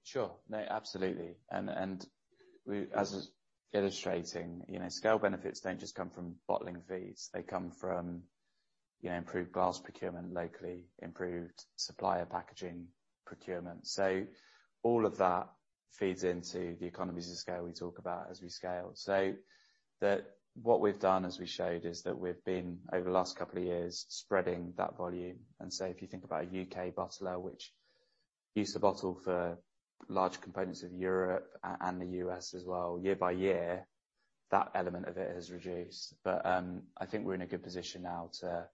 Sure. No, absolutely. As it's illustrating, you know, scale benefits don't just come from bottling fees. They come from, you know, improved glass procurement locally, improved supplier packaging procurement. All of that feeds into the economies of scale we talk about as we scale. What we've done, as we showed, is that we've been, over the last couple of years, spreading that volume. If you think about a U.K. bottler which used to bottle for large components of Europe and the U.S. as well, year by year, that element of it has reduced. I think we're in a good position now to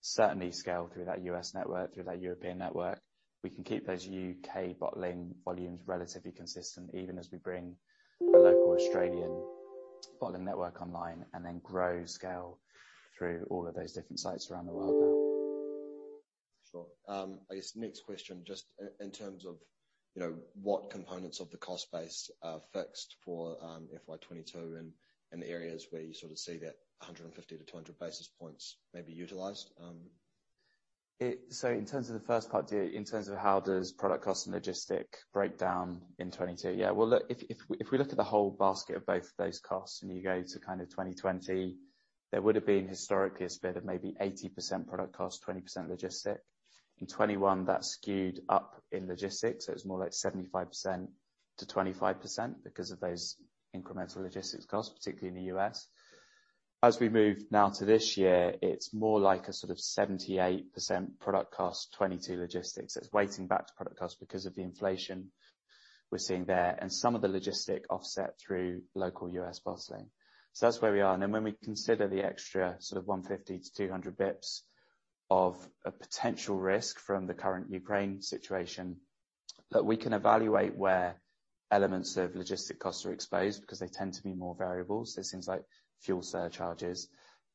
certainly scale through that U.S. network, through that European network. We can keep those U.K. bottling volumes relatively consistent, even as we bring a local Australian bottling network online and then grow scale through all of those different sites around the world. Sure. I guess next question, just in terms of, you know, what components of the cost base are fixed for FY 2022, and the areas where you sort of see that 150-200 basis points may be utilized. In terms of the first part, in terms of how does product cost and logistics break down in 2022? Yeah, well, look, if we look at the whole basket of both of those costs and you go to kind of 2020, there would've been historically a spread of maybe 80% product cost, 20% logistics. In 2021, that skewed up in logistics, so it was more like 75%-25% because of those incremental logistics costs, particularly in the U.S. As we move now to this year, it's more like a sort of 78% product cost, 22% logistics. It's weighting back to product cost because of the inflation we're seeing there and some of the logistics offset through local U.S. bottling. That's where we are. When we consider the extra sort of 150-200 bps of a potential risk from the current Ukraine situation, look, we can evaluate where elements of logistics costs are exposed because they tend to be more variable, so things like fuel surcharges.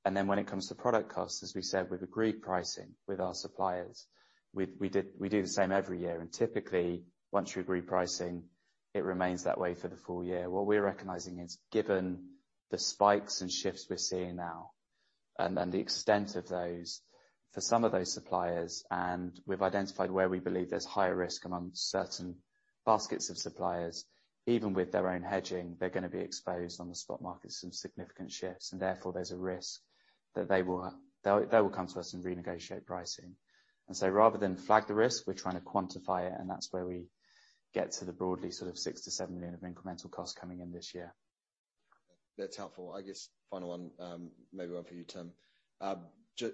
When it comes to product costs, as we said, we've agreed pricing with our suppliers. We do the same every year. Typically, once you agree pricing, it remains that way for the full year. What we're recognizing is given the spikes and shifts we're seeing now and the extent of those, for some of those suppliers, and we've identified where we believe there's higher risk among certain baskets of suppliers, even with their own hedging, they're gonna be exposed on the spot markets, some significant shifts, and therefore there's a risk that they will come to us and renegotiate pricing. Rather than flag the risk, we're trying to quantify it, and that's where we get to the broadly sort of 6-7 million of incremental costs coming in this year. That's helpful. I guess final one, maybe one for you, Tim.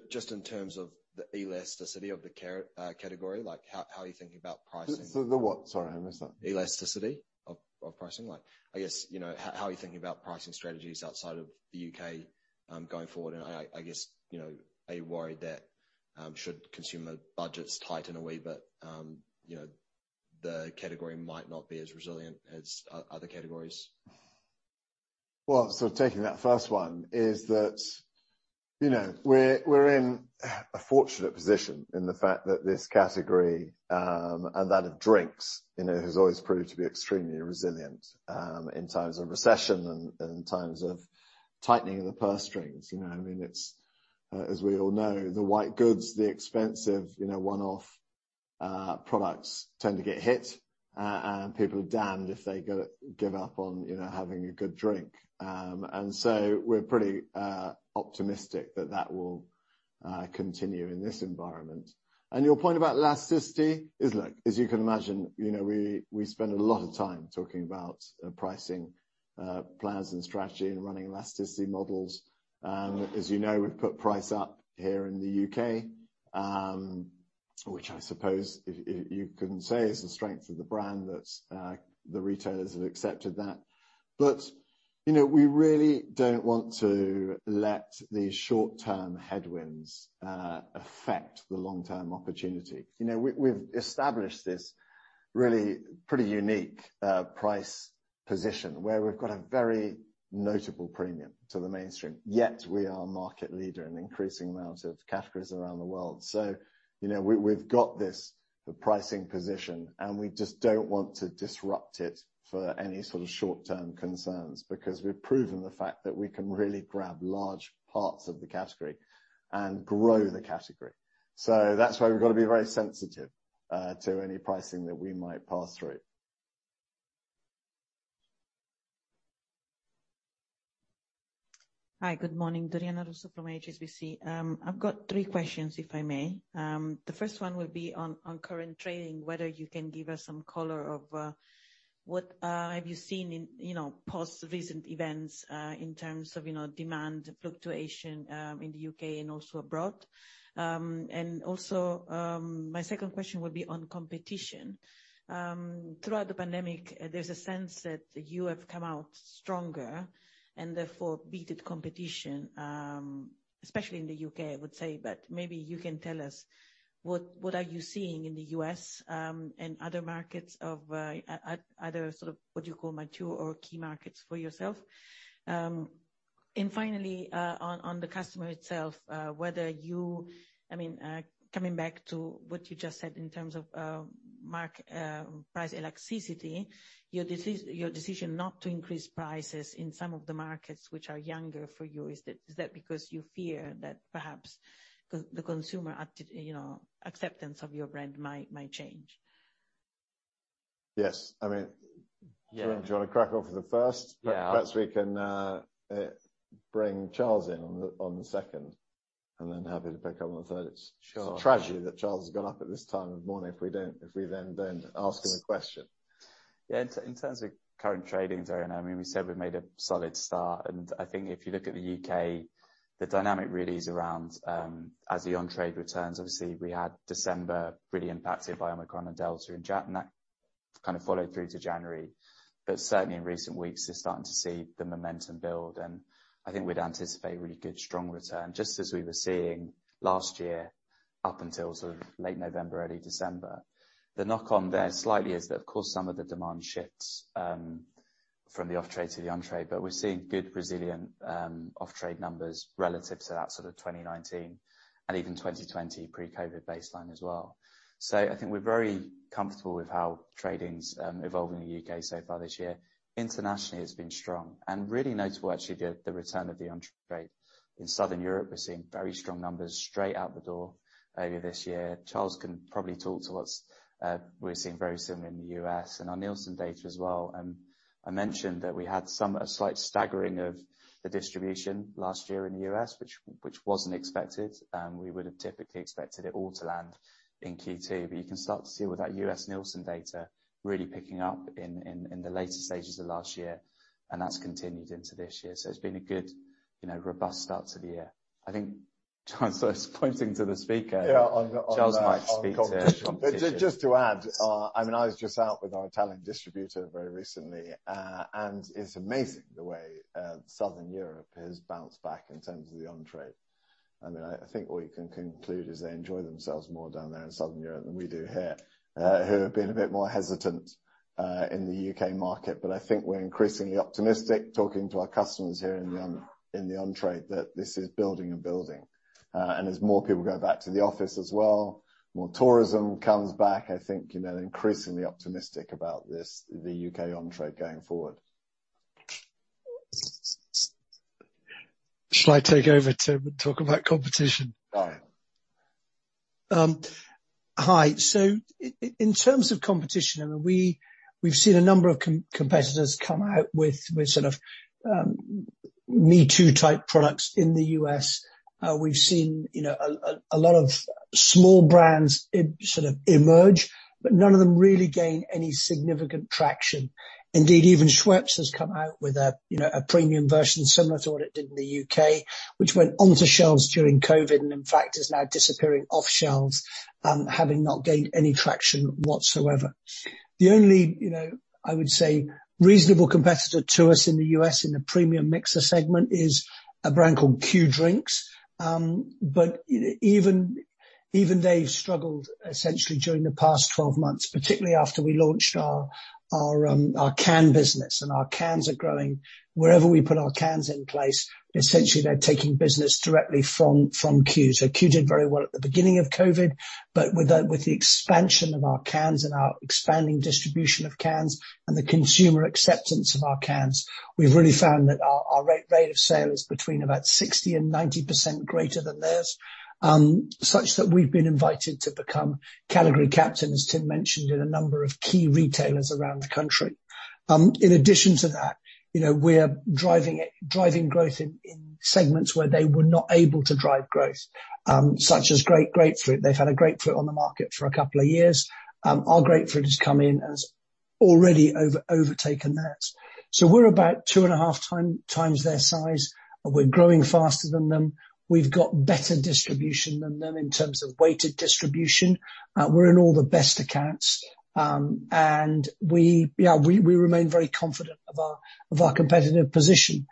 Just in terms of the elasticity of the current category, like how are you thinking about pricing? The what? Sorry, I missed that. Elasticity of pricing. Like, I guess, you know, how are you thinking about pricing strategies outside of the U.K. going forward? I guess, you know, are you worried that should consumer budgets tighten a wee bit, you know, the category might not be as resilient as other categories? Well, taking that first one is that, you know, we're in a fortunate position in the fact that this category and that of drinks, you know, has always proved to be extremely resilient in times of recession and times of tightening of the purse strings. You know, I mean, it's as we all know, the white goods, the expensive, you know, one-off products tend to get hit and people are damned if they go give up on, you know, having a good drink. We're pretty optimistic that that will continue in this environment. Your point about elasticity is, look, as you can imagine, you know, we spend a lot of time talking about pricing plans and strategy and running elasticity models. As you know, we've put price up here in the U.K., which I suppose you can say is the strength of the brand, that the retailers have accepted that. You know, we really don't want to let these short-term headwinds affect the long-term opportunity. You know, we've established this really pretty unique price position where we've got a very notable premium to the mainstream, yet we are market leader in an increasing amount of categories around the world. You know, we've got this pricing position, and we just don't want to disrupt it for any sort of short-term concerns because we've proven the fact that we can really grab large parts of the category and grow the category. That's why we've got to be very sensitive to any pricing that we might pass through. Hi, good morning. Doriana Russo from HSBC. I've got three questions, if I may. The first one will be on current trading, whether you can give us some color on what have you seen in, you know, post recent events, in terms of, you know, demand fluctuation in the U.K. and also abroad. And also, my second question would be on competition. Throughout the pandemic, there's a sense that you have come out stronger and therefore beaten competition, especially in the U.K., I would say. Maybe you can tell us what are you seeing in the U.S., and other markets of either sort of what you call mature or key markets for yourself? Finally, on the customer itself, I mean, coming back to what you just said in terms of price elasticity, your decision not to increase prices in some of the markets which are younger for you, is that because you fear that perhaps the consumer, you know, acceptance of your brand might change? Yes. I mean. Yeah. Do you wanna crack on for the first? Yeah. Perhaps we can bring Charles in on the second, and then have him pick up on the third. Sure. It's a tragedy that Charles has got up at this time of morning if we then don't ask him a question. Yeah. In terms of current tradings, I mean, we said we've made a solid start, and I think if you look at the U.K., the dynamic really is around as the on-trade returns. Obviously we had December really impacted by Omicron and Delta in January and that kind of followed through to January. Certainly in recent weeks you're starting to see the momentum build, and I think we'd anticipate really good strong return just as we were seeing last year up until sort of late November, early December. The knock on there slightly is that of course, some of the demand shifts from the off-trade to the on-trade, but we're seeing good resilient off-trade numbers relative to that sort of 2019 and even 2020 pre-COVID baseline as well. I think we're very comfortable with how trading's evolved in the U.K. so far this year. Internationally it's been strong, and really notable actually, the return of the on-trade. In Southern Europe we're seeing very strong numbers straight out the door early this year. Charles can probably talk to what we're seeing very similar in the U.S. and our Nielsen data as well. I mentioned that we had a slight staggering of the distribution last year in the U.S. which wasn't expected. We would've typically expected it all to land in Q2, but you can start to see with that U.S. Nielsen data really picking up in the later stages of last year, and that's continued into this year. It's been a good, you know, robust start to the year. I think Charles was pointing to the speaker. Yeah. On competition. Charles might speak to competition. Just to add, I mean, I was just out with our Italian distributor very recently, and it's amazing the way Southern Europe has bounced back in terms of the on-trade. I mean, I think what you can conclude is they enjoy themselves more down there in Southern Europe than we do here, who have been a bit more hesitant in the U.K. market. I think we're increasingly optimistic talking to our customers here in the on-trade that this is building and building. As more people go back to the office as well, more tourism comes back, I think, you know, increasingly optimistic about this, the U.K. on-trade going forward. Shall I take over, Tim, and talk about competition? Go ahead. Hi. In terms of competition, I mean, we've seen a number of competitors come out with sort of me-too type products in the U.S. We've seen, you know, a lot of small brands sort of emerge, but none of them really gain any significant traction. Indeed, even Schweppes has come out with a premium version similar to what it did in the U.K., which went onto shelves during COVID, and in fact is now disappearing off shelves, having not gained any traction whatsoever. The only, you know, I would say, reasonable competitor to us in the U.S. in the premium mixer segment is a brand called Q Mixers. But even they've struggled essentially during the past 12 months, particularly after we launched our can business. Our cans are growing. Wherever we put our cans in place, essentially they're taking business directly from Q Mixers. Q Mixers did very well at the beginning of COVID, but with the expansion of our cans and our expanding distribution of cans and the consumer acceptance of our cans, we've really found that our rate of sale is between about 60%-90% greater than theirs. Such that we've been invited to become category captain, as Tim mentioned, in a number of key retailers around the country. In addition to that, you know, we're driving growth in segments where they were not able to drive growth, such as grapefruit. They've had a grapefruit on the market for a couple of years. Our grapefruit has come in and has already overtaken theirs. We're about 2.5x their size. We're growing faster than them. We've got better distribution than them in terms of weighted distribution. We're in all the best accounts. We yeah remain very confident of our competitive position,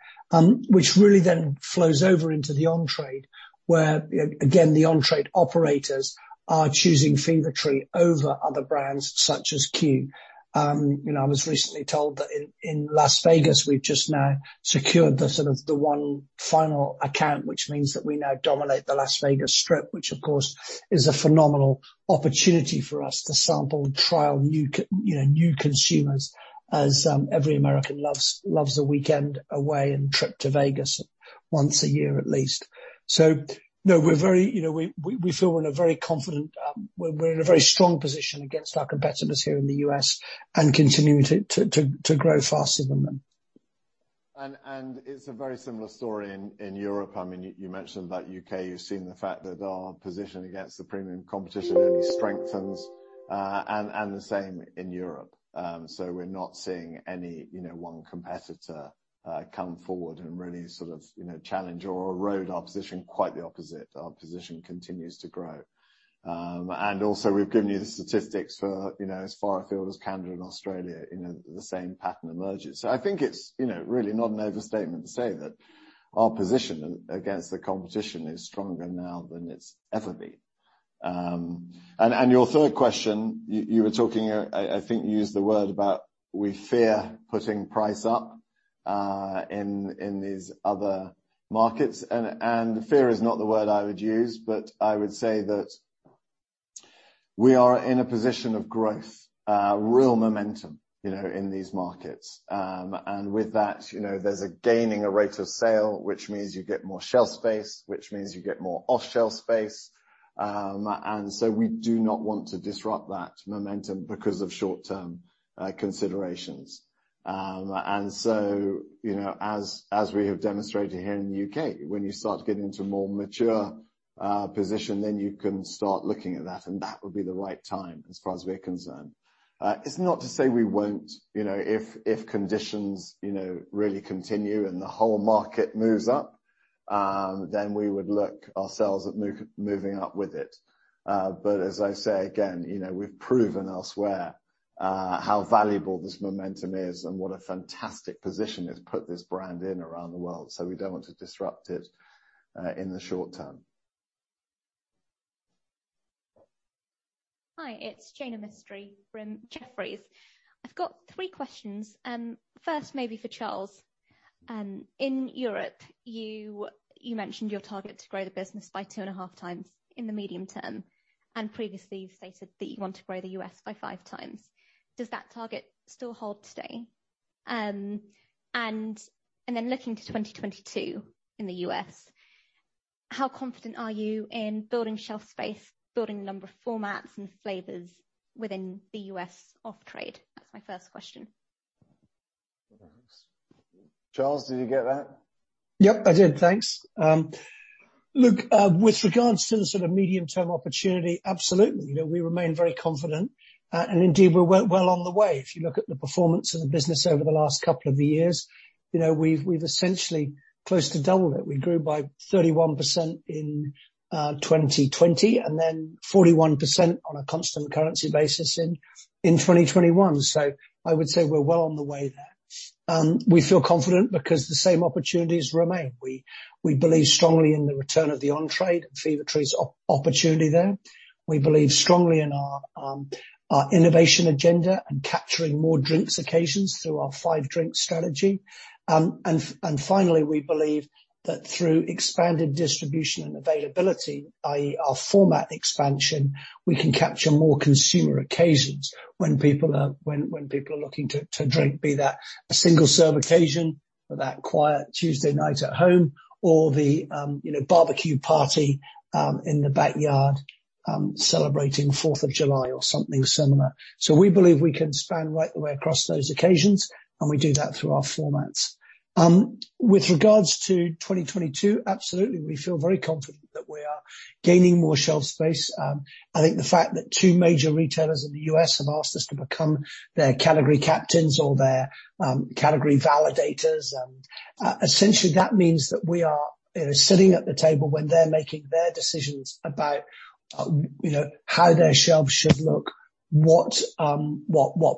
which really then flows over into the on-trade, where again, the on-trade operators are choosing Fever-Tree over other brands such as Q Mixers. You know, I was recently told that in Las Vegas, we've just now secured sort of the one final account, which means that we now dominate the Las Vegas Strip, which of course is a phenomenal opportunity for us to sample and trial new consumers as every American loves a weekend away and trip to Vegas once a year at least. No, we're very you know we feel we're in a very confident. We're in a very strong position against our competitors here in the U.S. and continuing to grow faster than them. It's a very similar story in Europe. I mean, you mentioned about U.K., you've seen the fact that our position against the premium competition only strengthens, and the same in Europe. We're not seeing any, you know, one competitor come forward and really sort of, you know, challenge or erode our position. Quite the opposite. Our position continues to grow. Also we've given you the statistics for, you know, as far afield as Canada and Australia. You know, the same pattern emerges. I think it's, you know, really not an overstatement to say that our position against the competition is stronger now than it's ever been. Your third question, you were talking earlier. I think you used the word about we fear putting price up in these other markets and fear is not the word I would use, but I would say that we are in a position of growth, real momentum, you know, in these markets. With that, you know, there's gaining rate of sale, which means you get more shelf space, which means you get more off-shelf space. We do not want to disrupt that momentum because of short-term considerations. You know, as we have demonstrated here in the U.K., when you start to get into a more mature position, then you can start looking at that, and that would be the right time as far as we're concerned. It's not to say we won't, you know, if conditions, you know, really continue and the whole market moves up, then we would look ourselves at moving up with it. As I say again, you know, we've proven elsewhere, how valuable this momentum is and what a fantastic position it's put this brand in around the world, so we don't want to disrupt it in the short term. Hi, it's Jaina Mistry from Jefferies. I've got three questions. First maybe for Charles. In Europe, you mentioned your target to grow the business by 2.5x in the medium term, and previously, you've stated that you want to grow the U.S. by 5x. Does that target still hold today? And then looking to 2022 in the U.S., how confident are you in building shelf space, building the number of formats and flavors within the U.S. off-trade? That's my first question. Charles, did you get that? Yep, I did. Thanks. Look, with regards to the sort of medium-term opportunity, absolutely. You know, we remain very confident. Indeed, we're well on the way. If you look at the performance of the business over the last couple of years, you know, we've essentially close to doubled it. We grew by 31% in 2020, and then 41% on a constant currency basis in 2021. I would say we're well on the way there. We feel confident because the same opportunities remain. We believe strongly in the return of the on-trade and Fever-Tree's opportunity there. We believe strongly in our innovation agenda and capturing more drinks occasions through our five drink strategy. Finally, we believe that through expanded distribution and availability, i.e. our format expansion, we can capture more consumer occasions when people are looking to drink, be that a single serve occasion or that quiet Tuesday night at home or the, you know, barbecue party in the backyard celebrating Fourth of July or something similar. We believe we can span right the way across those occasions, and we do that through our formats. With regards to 2022, absolutely. We feel very confident that we are gaining more shelf space. I think the fact that two major retailers in the U.S. have asked us to become their Category Captains or their category validators, essentially that means that we are, you know, sitting at the table when they're making their decisions about, you know, how their shelves should look, what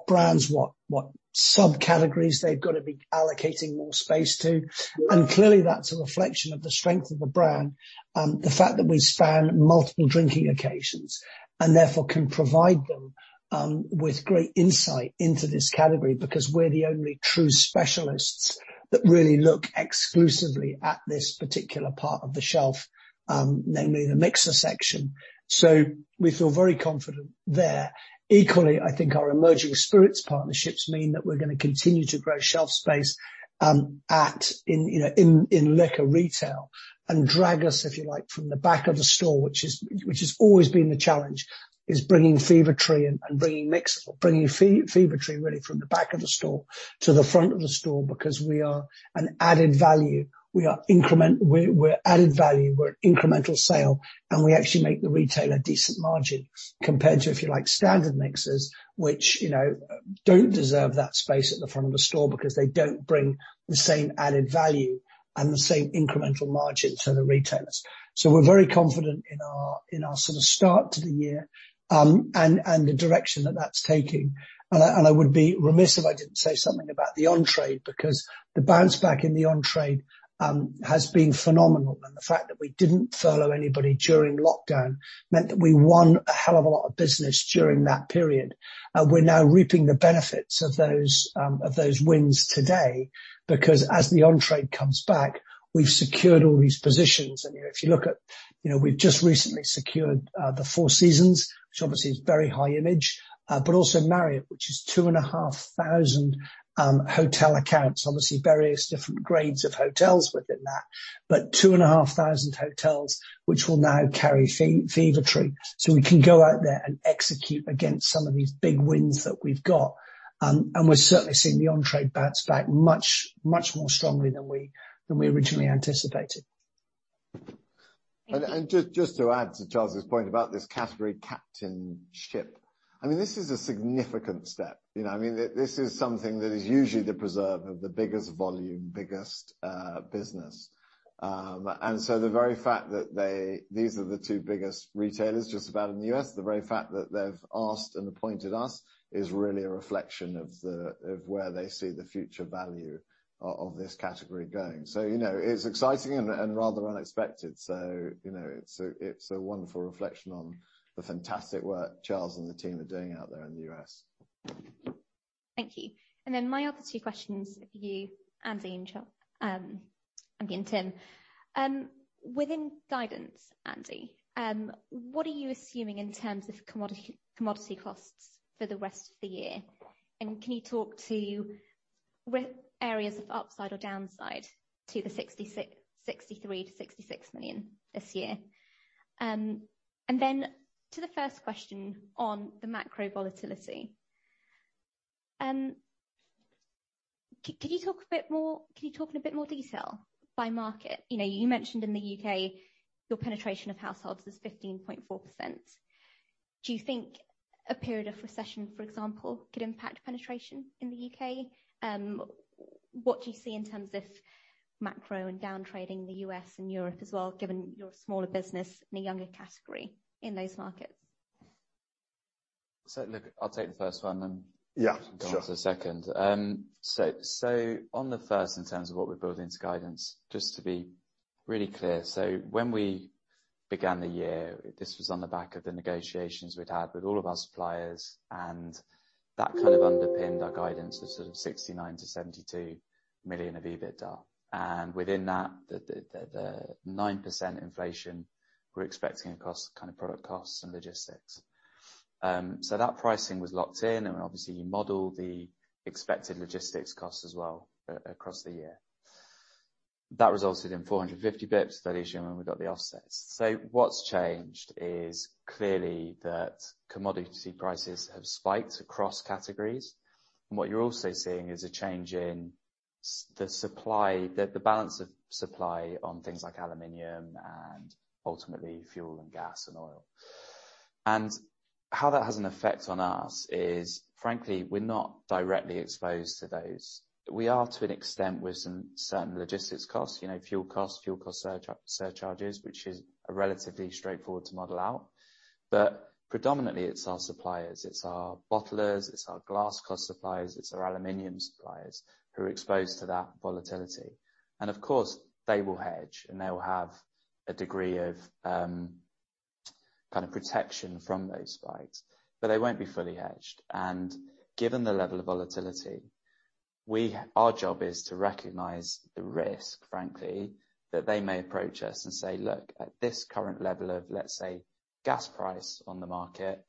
brands, what subcategories they've got to be allocating more space to. Clearly that's a reflection of the strength of the brand, the fact that we span multiple drinking occasions and therefore can provide them with great insight into this category because we're the only true specialists that really look exclusively at this particular part of the shelf, namely the mixer section. We feel very confident there. Equally, I think our emerging spirits partnerships mean that we're gonna continue to grow shelf space in liquor retail and drag us, if you like, from the back of the store, which has always been the challenge is bringing Fever-Tree really from the back of the store to the front of the store because we are an added value. We're added value. We're an incremental sale, and we actually make the retailer a decent margin compared to, if you like, standard mixers, which, you know, don't deserve that space at the front of the store because they don't bring the same added value and the same incremental margin to the retailers. We're very confident in our sort of start to the year and the direction that that's taking. I would be remiss if I didn't say something about the on-trade, because the bounce back in the on-trade has been phenomenal. The fact that we didn't furlough anybody during lockdown meant that we won a hell of a lot of business during that period. We're now reaping the benefits of those wins today, because as the on-trade comes back, we've secured all these positions. If you look at, you know, we've just recently secured the Four Seasons, which obviously is very high image, but also Marriott, which is 2,500 hotel accounts. Obviously, various different grades of hotels within that, but 2,500 hotels, which will now carry Fever-Tree. We can go out there and execute against some of these big wins that we've got. We're certainly seeing the on-trade bounce back much more strongly than we originally anticipated. Just to add to Charles's point about this category captainship, I mean, this is a significant step. You know, I mean, this is something that is usually the preserve of the biggest volume business. The very fact that they—these are the two biggest retailers just about in the U.S., the very fact that they've asked and appointed us is really a reflection of where they see the future value of this category going. You know, it's exciting and rather unexpected. You know, it's a wonderful reflection on the fantastic work Charles and the team are doing out there in the U.S.. Thank you. My other two questions for you, Andy and then Tim. Within guidance, Andy, what are you assuming in terms of commodity costs for the rest of the year? Can you talk to risk areas of upside or downside to the 63-66 million this year? To the first question on the macro volatility. Could you talk in a bit more detail by market? You know, you mentioned in the U.K. your penetration of households is 15.4%. Do you think a period of recession, for example, could impact penetration in the U.K.? What do you see in terms of macro and down trading in the U.S. and Europe as well, given your smaller business and a younger category in those markets? Look, I'll take the first one then. Yeah, sure. Go on to the second. On the first, in terms of what we build into guidance, just to be really clear. When we began the year, this was on the back of the negotiations we'd had with all of our suppliers, and that kind of underpinned our guidance of sort of 69-72 million of EBITDA. Within that, the 9% inflation we're expecting across kind of product costs and logistics. That pricing was locked in and obviously you model the expected logistics costs as well across the year. That resulted in 450 BPS, that is when we got the offsets. What's changed is clearly that commodity prices have spiked across categories, and what you're also seeing is a change in the supply, the balance of supply on things like aluminum and ultimately fuel and gas and oil. How that has an effect on us is, frankly, we're not directly exposed to those. We are to an extent with some certain logistics costs, you know, fuel costs, fuel cost surcharges, which is a relatively straightforward to model out. Predominantly it's our suppliers, it's our bottlers, it's our glass cost suppliers, it's our aluminum suppliers who are exposed to that volatility. Of course they will hedge and they'll have a degree of kind of protection from those spikes, but they won't be fully hedged. Given the level of volatility, our job is to recognize the risk, frankly, that they may approach us and say, "Look at this current level of, let's say, gas price on the market,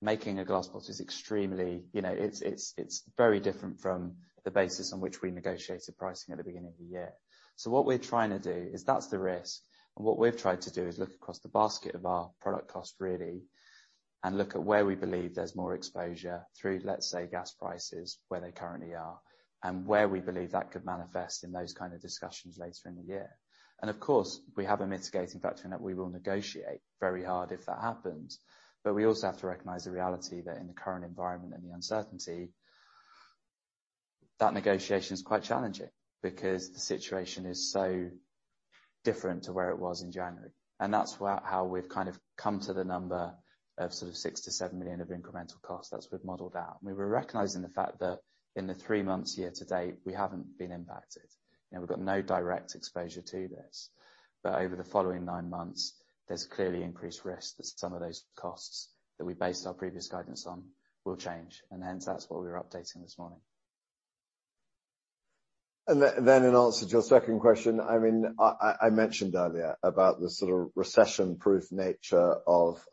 making a glass bottle is extremely, you know, it's very different from the basis on which we negotiated pricing at the beginning of the year." What we're trying to do is, that's the risk. What we've tried to do is look across the basket of our product cost really, and look at where we believe there's more exposure through, let's say, gas prices where they currently are, and where we believe that could manifest in those kind of discussions later in the year. Of course, we have a mitigating factor in that we will negotiate very hard if that happens. We also have to recognize the reality that in the current environment and the uncertainty, that negotiation is quite challenging because the situation is so different to where it was in January. That's how we've kind of come to the number of sort of 6-7 million of incremental costs that we've modeled out. We're recognizing the fact that in the three months, year to date, we haven't been impacted. You know, we've got no direct exposure to this. Over the following nine months, there's clearly increased risk that some of those costs that we based our previous guidance on will change. Hence that's what we're updating this morning. In answer to your second question, I mean, I mentioned earlier about the sort of recession-proof nature of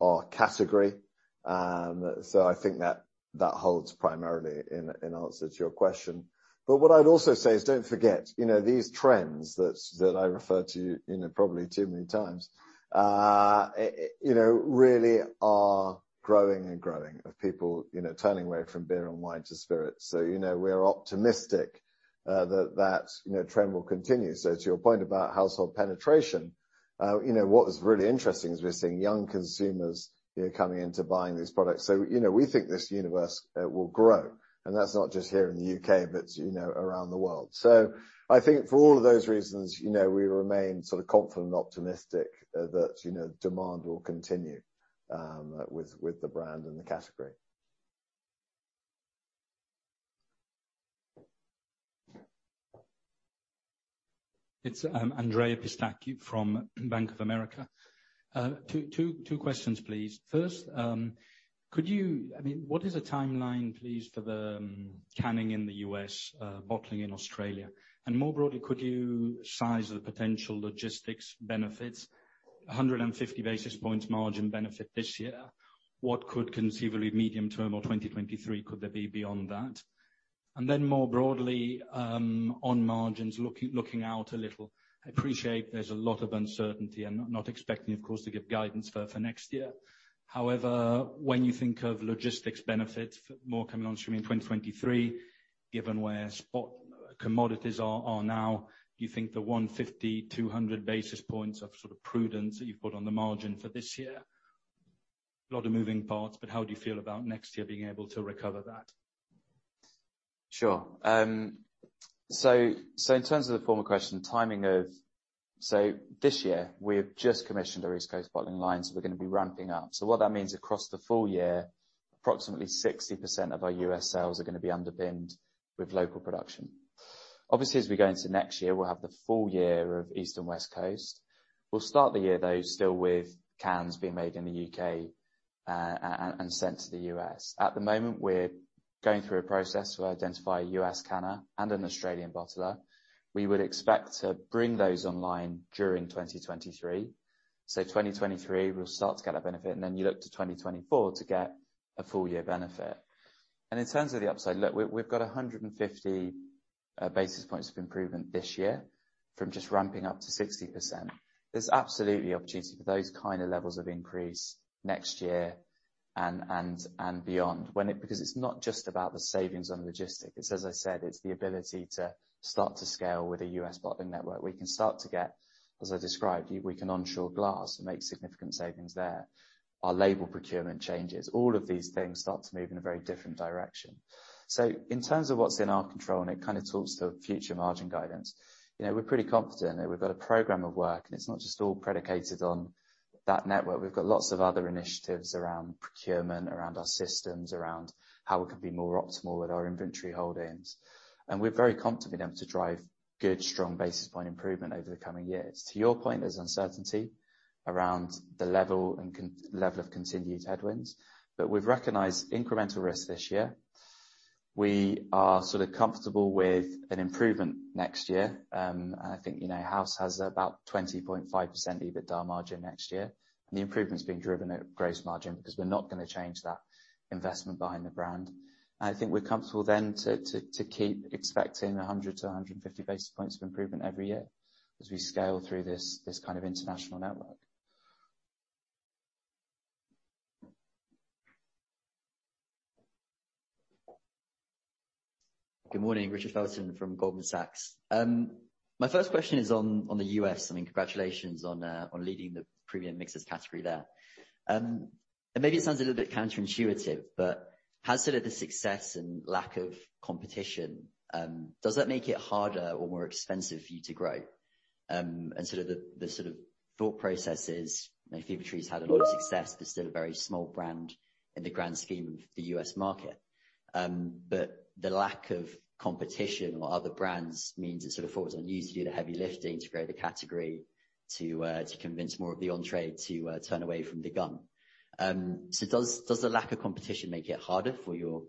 our category. So I think that holds primarily in answer to your question. But what I'd also say is don't forget, you know, these trends that I refer to, you know, probably too many times, you know, really are growing and growing of people, you know, turning away from beer and wine to spirits. So, you know, we're optimistic that trend will continue. So to your point about household penetration, you know, what was really interesting is we're seeing young consumers, you know, coming into buying these products. So, you know, we think this universe will grow and that's not just here in the U.K., but you know, around the world. I think for all of those reasons, you know, we remain sort of confident and optimistic, that, you know, demand will continue with the brand and the category. It's Andrea Pistacchi from Bank of America. Two questions please. First, I mean, what is the timeline please, for the canning in the U.S., bottling in Australia? And more broadly, could you size the potential logistics benefits, 150 basis points margin benefit this year. What could conceivably medium term or 2023 could there be beyond that? And then more broadly, on margins, looking out a little. I appreciate there's a lot of uncertainty and not expecting of course to give guidance for next year. However, when you think of logistics benefits more coming on stream in 2023, given where spot commodities are now, do you think the 150-200 basis points of sort of prudence that you've put on the margin for this year, a lot of moving parts, but how do you feel about next year being able to recover that? Sure. In terms of the former question, this year we have just commissioned an East Coast bottling line, so we're gonna be ramping up. What that means across the full year, approximately 60% of our U.S. sales are gonna be underpinned with local production. Obviously, as we go into next year, we'll have the full year of East and West Coast. We'll start the year though still with cans being made in the U.K. and sent to the U.S. At the moment, we're going through a process to identify a U.S. canner and an Australian bottler. We would expect to bring those online during 2023. 2023, we'll start to get our benefit, and then you look to 2024 to get a full year benefit. In terms of the upside, look, we've got 150 basis points of improvement this year from just ramping up to 60%. There's absolutely opportunity for those kind of levels of increase next year and beyond because it's not just about the savings on logistics. It's as I said, it's the ability to start to scale with a U.S. bottling network. We can start to get, as I described, we can onshore glass and make significant savings there. Our label procurement changes. All of these things start to move in a very different direction. So in terms of what's in our control, and it kind of talks to future margin guidance, you know, we're pretty confident that we've got a program of work, and it's not just all predicated on that network. We've got lots of other initiatives around procurement, around our systems, around how we can be more optimal with our inventory holdings. We're very confident in them to drive good, strong basis point improvement over the coming years. To your point, there's uncertainty around the level of continued headwinds, but we've recognized incremental risk this year. We are sort of comfortable with an improvement next year. I think, you know, the Group has about 20.5% EBITDA margin next year. The improvement is being driven at gross margin because we're not gonna change that investment behind the brand. I think we're comfortable then to keep expecting 100-150 basis points of improvement every year as we scale through this kind of international network. Good morning, Richard Felton from Goldman Sachs. My first question is on the U.S. I mean, congratulations on leading the premium mixes category there. Maybe it sounds a little bit counterintuitive, but has sort of the success and lack of competition does that make it harder or more expensive for you to grow? And sort of the thought process is, you know, Fever-Tree's had a lot of success, but still a very small brand in the grand scheme of the U.S. market. The lack of competition or other brands means it sort of falls on you to do the heavy lifting to grow the category to convince more of the on-trade to turn away from the gun. Does the lack of competition make it harder for your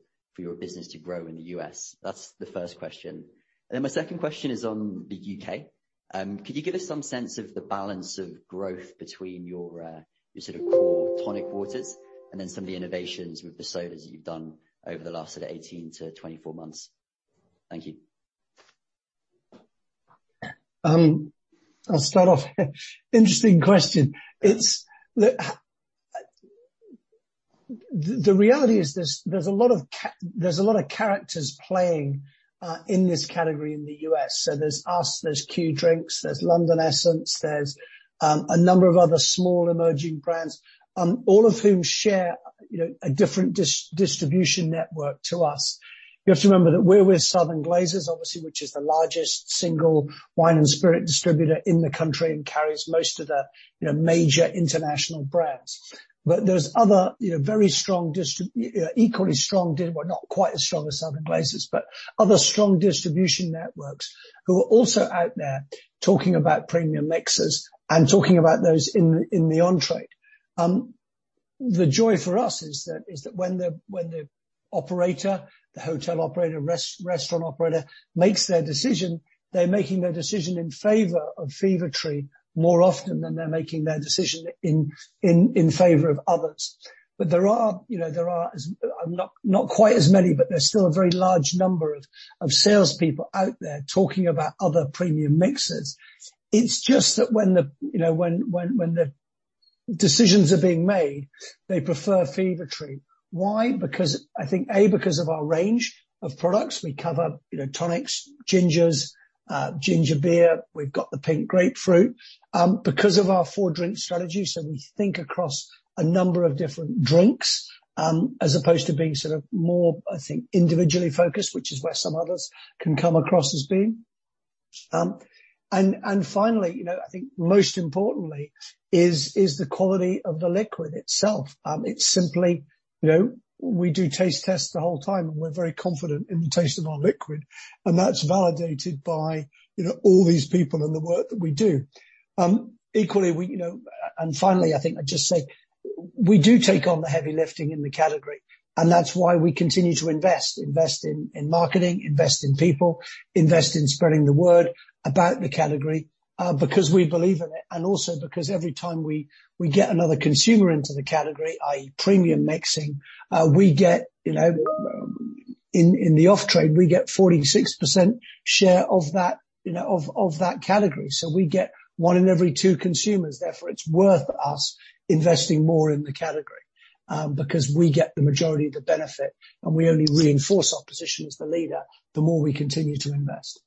business to grow in the U.S.? That's the first question. My second question is on the U.K. Could you give us some sense of the balance of growth between your sort of core tonic waters and then some of the innovations with the sodas you've done over the last sort of 18-24 months? Thank you. I'll start off. Interesting question. It's. Look, the reality is there's a lot of characters playing in this category in the U.S.. So there's us, there's Q Mixers, there's London Essence, there's a number of other small emerging brands, all of whom share, you know, a different distribution network to us. You have to remember that we're with Southern Glazer's, obviously, which is the largest single wine and spirit distributor in the country and carries most of the, you know, major international brands. But there's other, you know, very strong, equally strong, well, not quite as strong as Southern Glazer's, but other strong distribution networks who are also out there talking about premium mixes and talking about those in the on-trade. The joy for us is that when the operator, the hotel operator, restaurant operator makes their decision, they're making their decision in favor of Fever-Tree more often than they're making their decision in favor of others. But there are, you know, not quite as many, but there's still a very large number of salespeople out there talking about other premium mixes. It's just that when the, you know, decisions are being made, they prefer Fever-Tree. Why? Because I think, A, because of our range of products. We cover, you know, tonics, gingers, ginger beer, we've got the Pink Grapefruit. Because of our four-drink strategy, so we think across a number of different drinks, as opposed to being sort of more, I think, individually focused, which is where some others can come across as being. Finally, you know, I think most importantly is the quality of the liquid itself. It's simply, you know, we do taste tests the whole time, and we're very confident in the taste of our liquid. That's validated by, you know, all these people and the work that we do. Finally, I think I'd just say we do take on the heavy lifting in the category, and that's why we continue to invest in marketing, invest in people, invest in spreading the word about the category, because we believe in it, and also because every time we get another consumer into the category, i.e. premium mixing, we get you know in the off-trade 46% share of that you know of that category. So we get one in every two consumers. Therefore, it's worth us investing more in the category, because we get the majority of the benefit, and we only reinforce our position as the leader the more we continue to invest.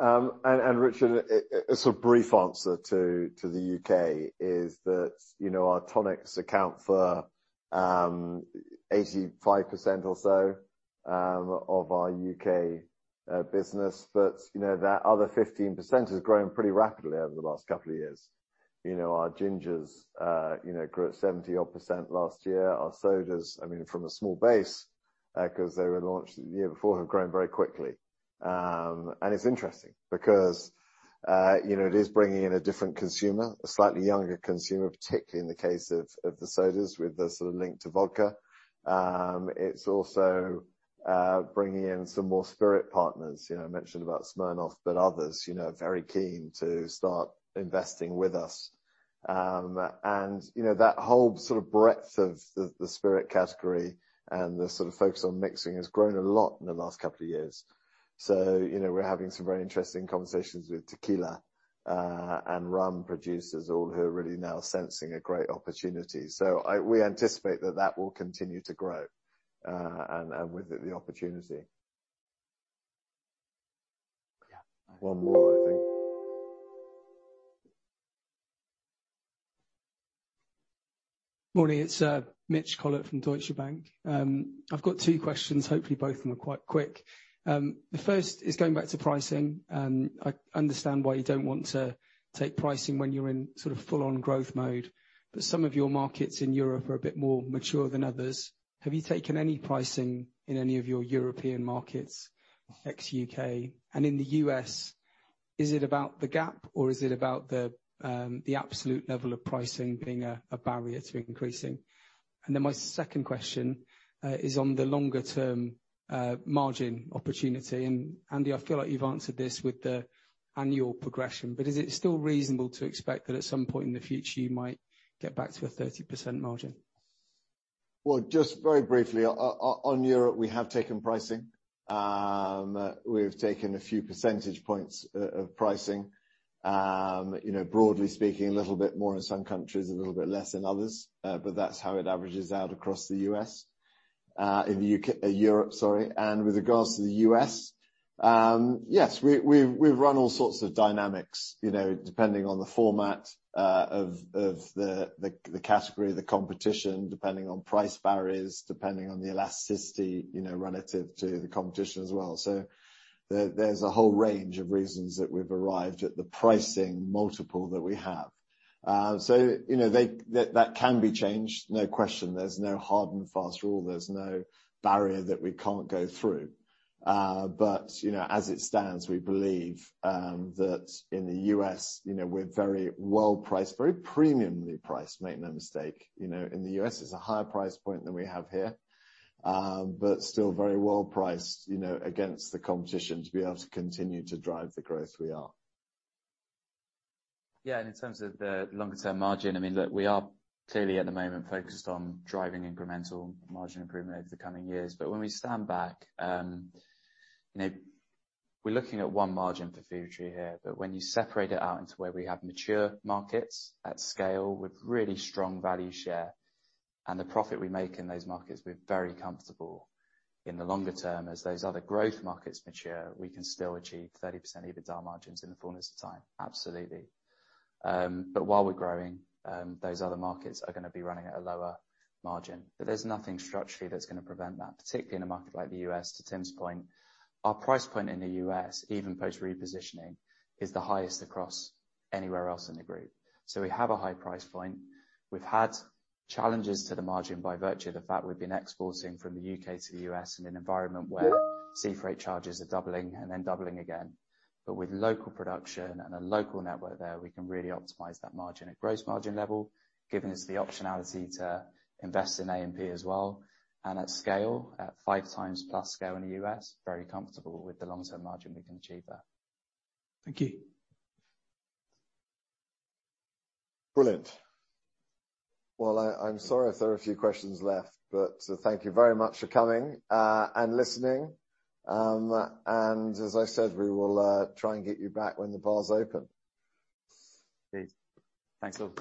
Richard, a sort of brief answer to the U.K. is that, you know, our tonics account for 85% or so of our U.K. business, but you know, that other 15% has grown pretty rapidly over the last couple of years. You know, our gingers, you know, grew at 70-odd% last year. Our sodas, I mean, from a small base, 'cause they were launched the year before, have grown very quickly. It's interesting because, you know, it is bringing in a different consumer, a slightly younger consumer, particularly in the case of the sodas with the sort of link to vodka. It's also bringing in some more spirit partners. You know, I mentioned about Smirnoff, but others, you know, are very keen to start investing with us. You know, that whole sort of breadth of the spirit category and the sort of focus on mixing has grown a lot in the last couple of years. You know, we're having some very interesting conversations with tequila and rum producers, all who are really now sensing a great opportunity. We anticipate that will continue to grow, and with it the opportunity. Yeah. One more, I think. Morning, it's Mitch Collett from Deutsche Bank. I've got two questions. Hopefully both of them are quite quick. The first is going back to pricing, and I understand why you don't want to take pricing when you're in sort of full-on growth mode, but some of your markets in Europe are a bit more mature than others. Have you taken any pricing in any of your European markets ex U.K.? In the U.S., is it about the gap or is it about the absolute level of pricing being a barrier to increasing? Then my second question is on the longer term margin opportunity. Andy, I feel like you've answered this with the annual progression, but is it still reasonable to expect that at some point in the future you might get back to a 30% margin? Well, just very briefly, on Europe, we have taken pricing. We've taken a few percentage points of pricing. You know, broadly speaking, a little bit more in some countries, a little bit less in others, but that's how it averages out across the U.S., in the U.K., Europe, sorry. With regards to the U.S., yes, we've run all sorts of dynamics, you know, depending on the format of the category, the competition, depending on price barriers, depending on the elasticity, you know, relative to the competition as well. There's a whole range of reasons that we've arrived at the pricing multiple that we have. You know, that can be changed, no question. There's no hard and fast rule. There's no barrier that we can't go through. You know, as it stands, we believe that in the U.S., you know, we're very well priced, very premiumly priced, make no mistake. You know, in the U.S. it's a higher price point than we have here, but still very well priced, you know, against the competition to be able to continue to drive the growth we are. Yeah, in terms of the longer term margin, I mean, look, we are clearly at the moment focused on driving incremental margin improvement over the coming years. When we stand back, you know, we're looking at one margin for Fever-Tree here, but when you separate it out into where we have mature markets at scale with really strong value share and the profit we make in those markets, we're very comfortable in the longer term. As those other growth markets mature, we can still achieve 30% EBITDA margins in the fullness of time. Absolutely. While we're growing, those other markets are gonna be running at a lower margin. There's nothing structurally that's gonna prevent that, particularly in a market like the U.S., to Tim's point. Our price point in the U.S., even post repositioning, is the highest across anywhere else in the group. We have a high price point. We've had challenges to the margin by virtue of the fact we've been exporting from the U.K. to the U.S. in an environment where sea freight charges are doubling and then doubling again. With local production and a local network there, we can really optimize that margin at gross margin level, giving us the optionality to invest in A&P as well. At scale, at 5x scale in the U.S., very comfortable with the long-term margin we can achieve there. Thank you. Brilliant. Well, I'm sorry if there are a few questions left, but thank you very much for coming and listening. As I said, we will try and get you back when the bars open. Please. Thanks all.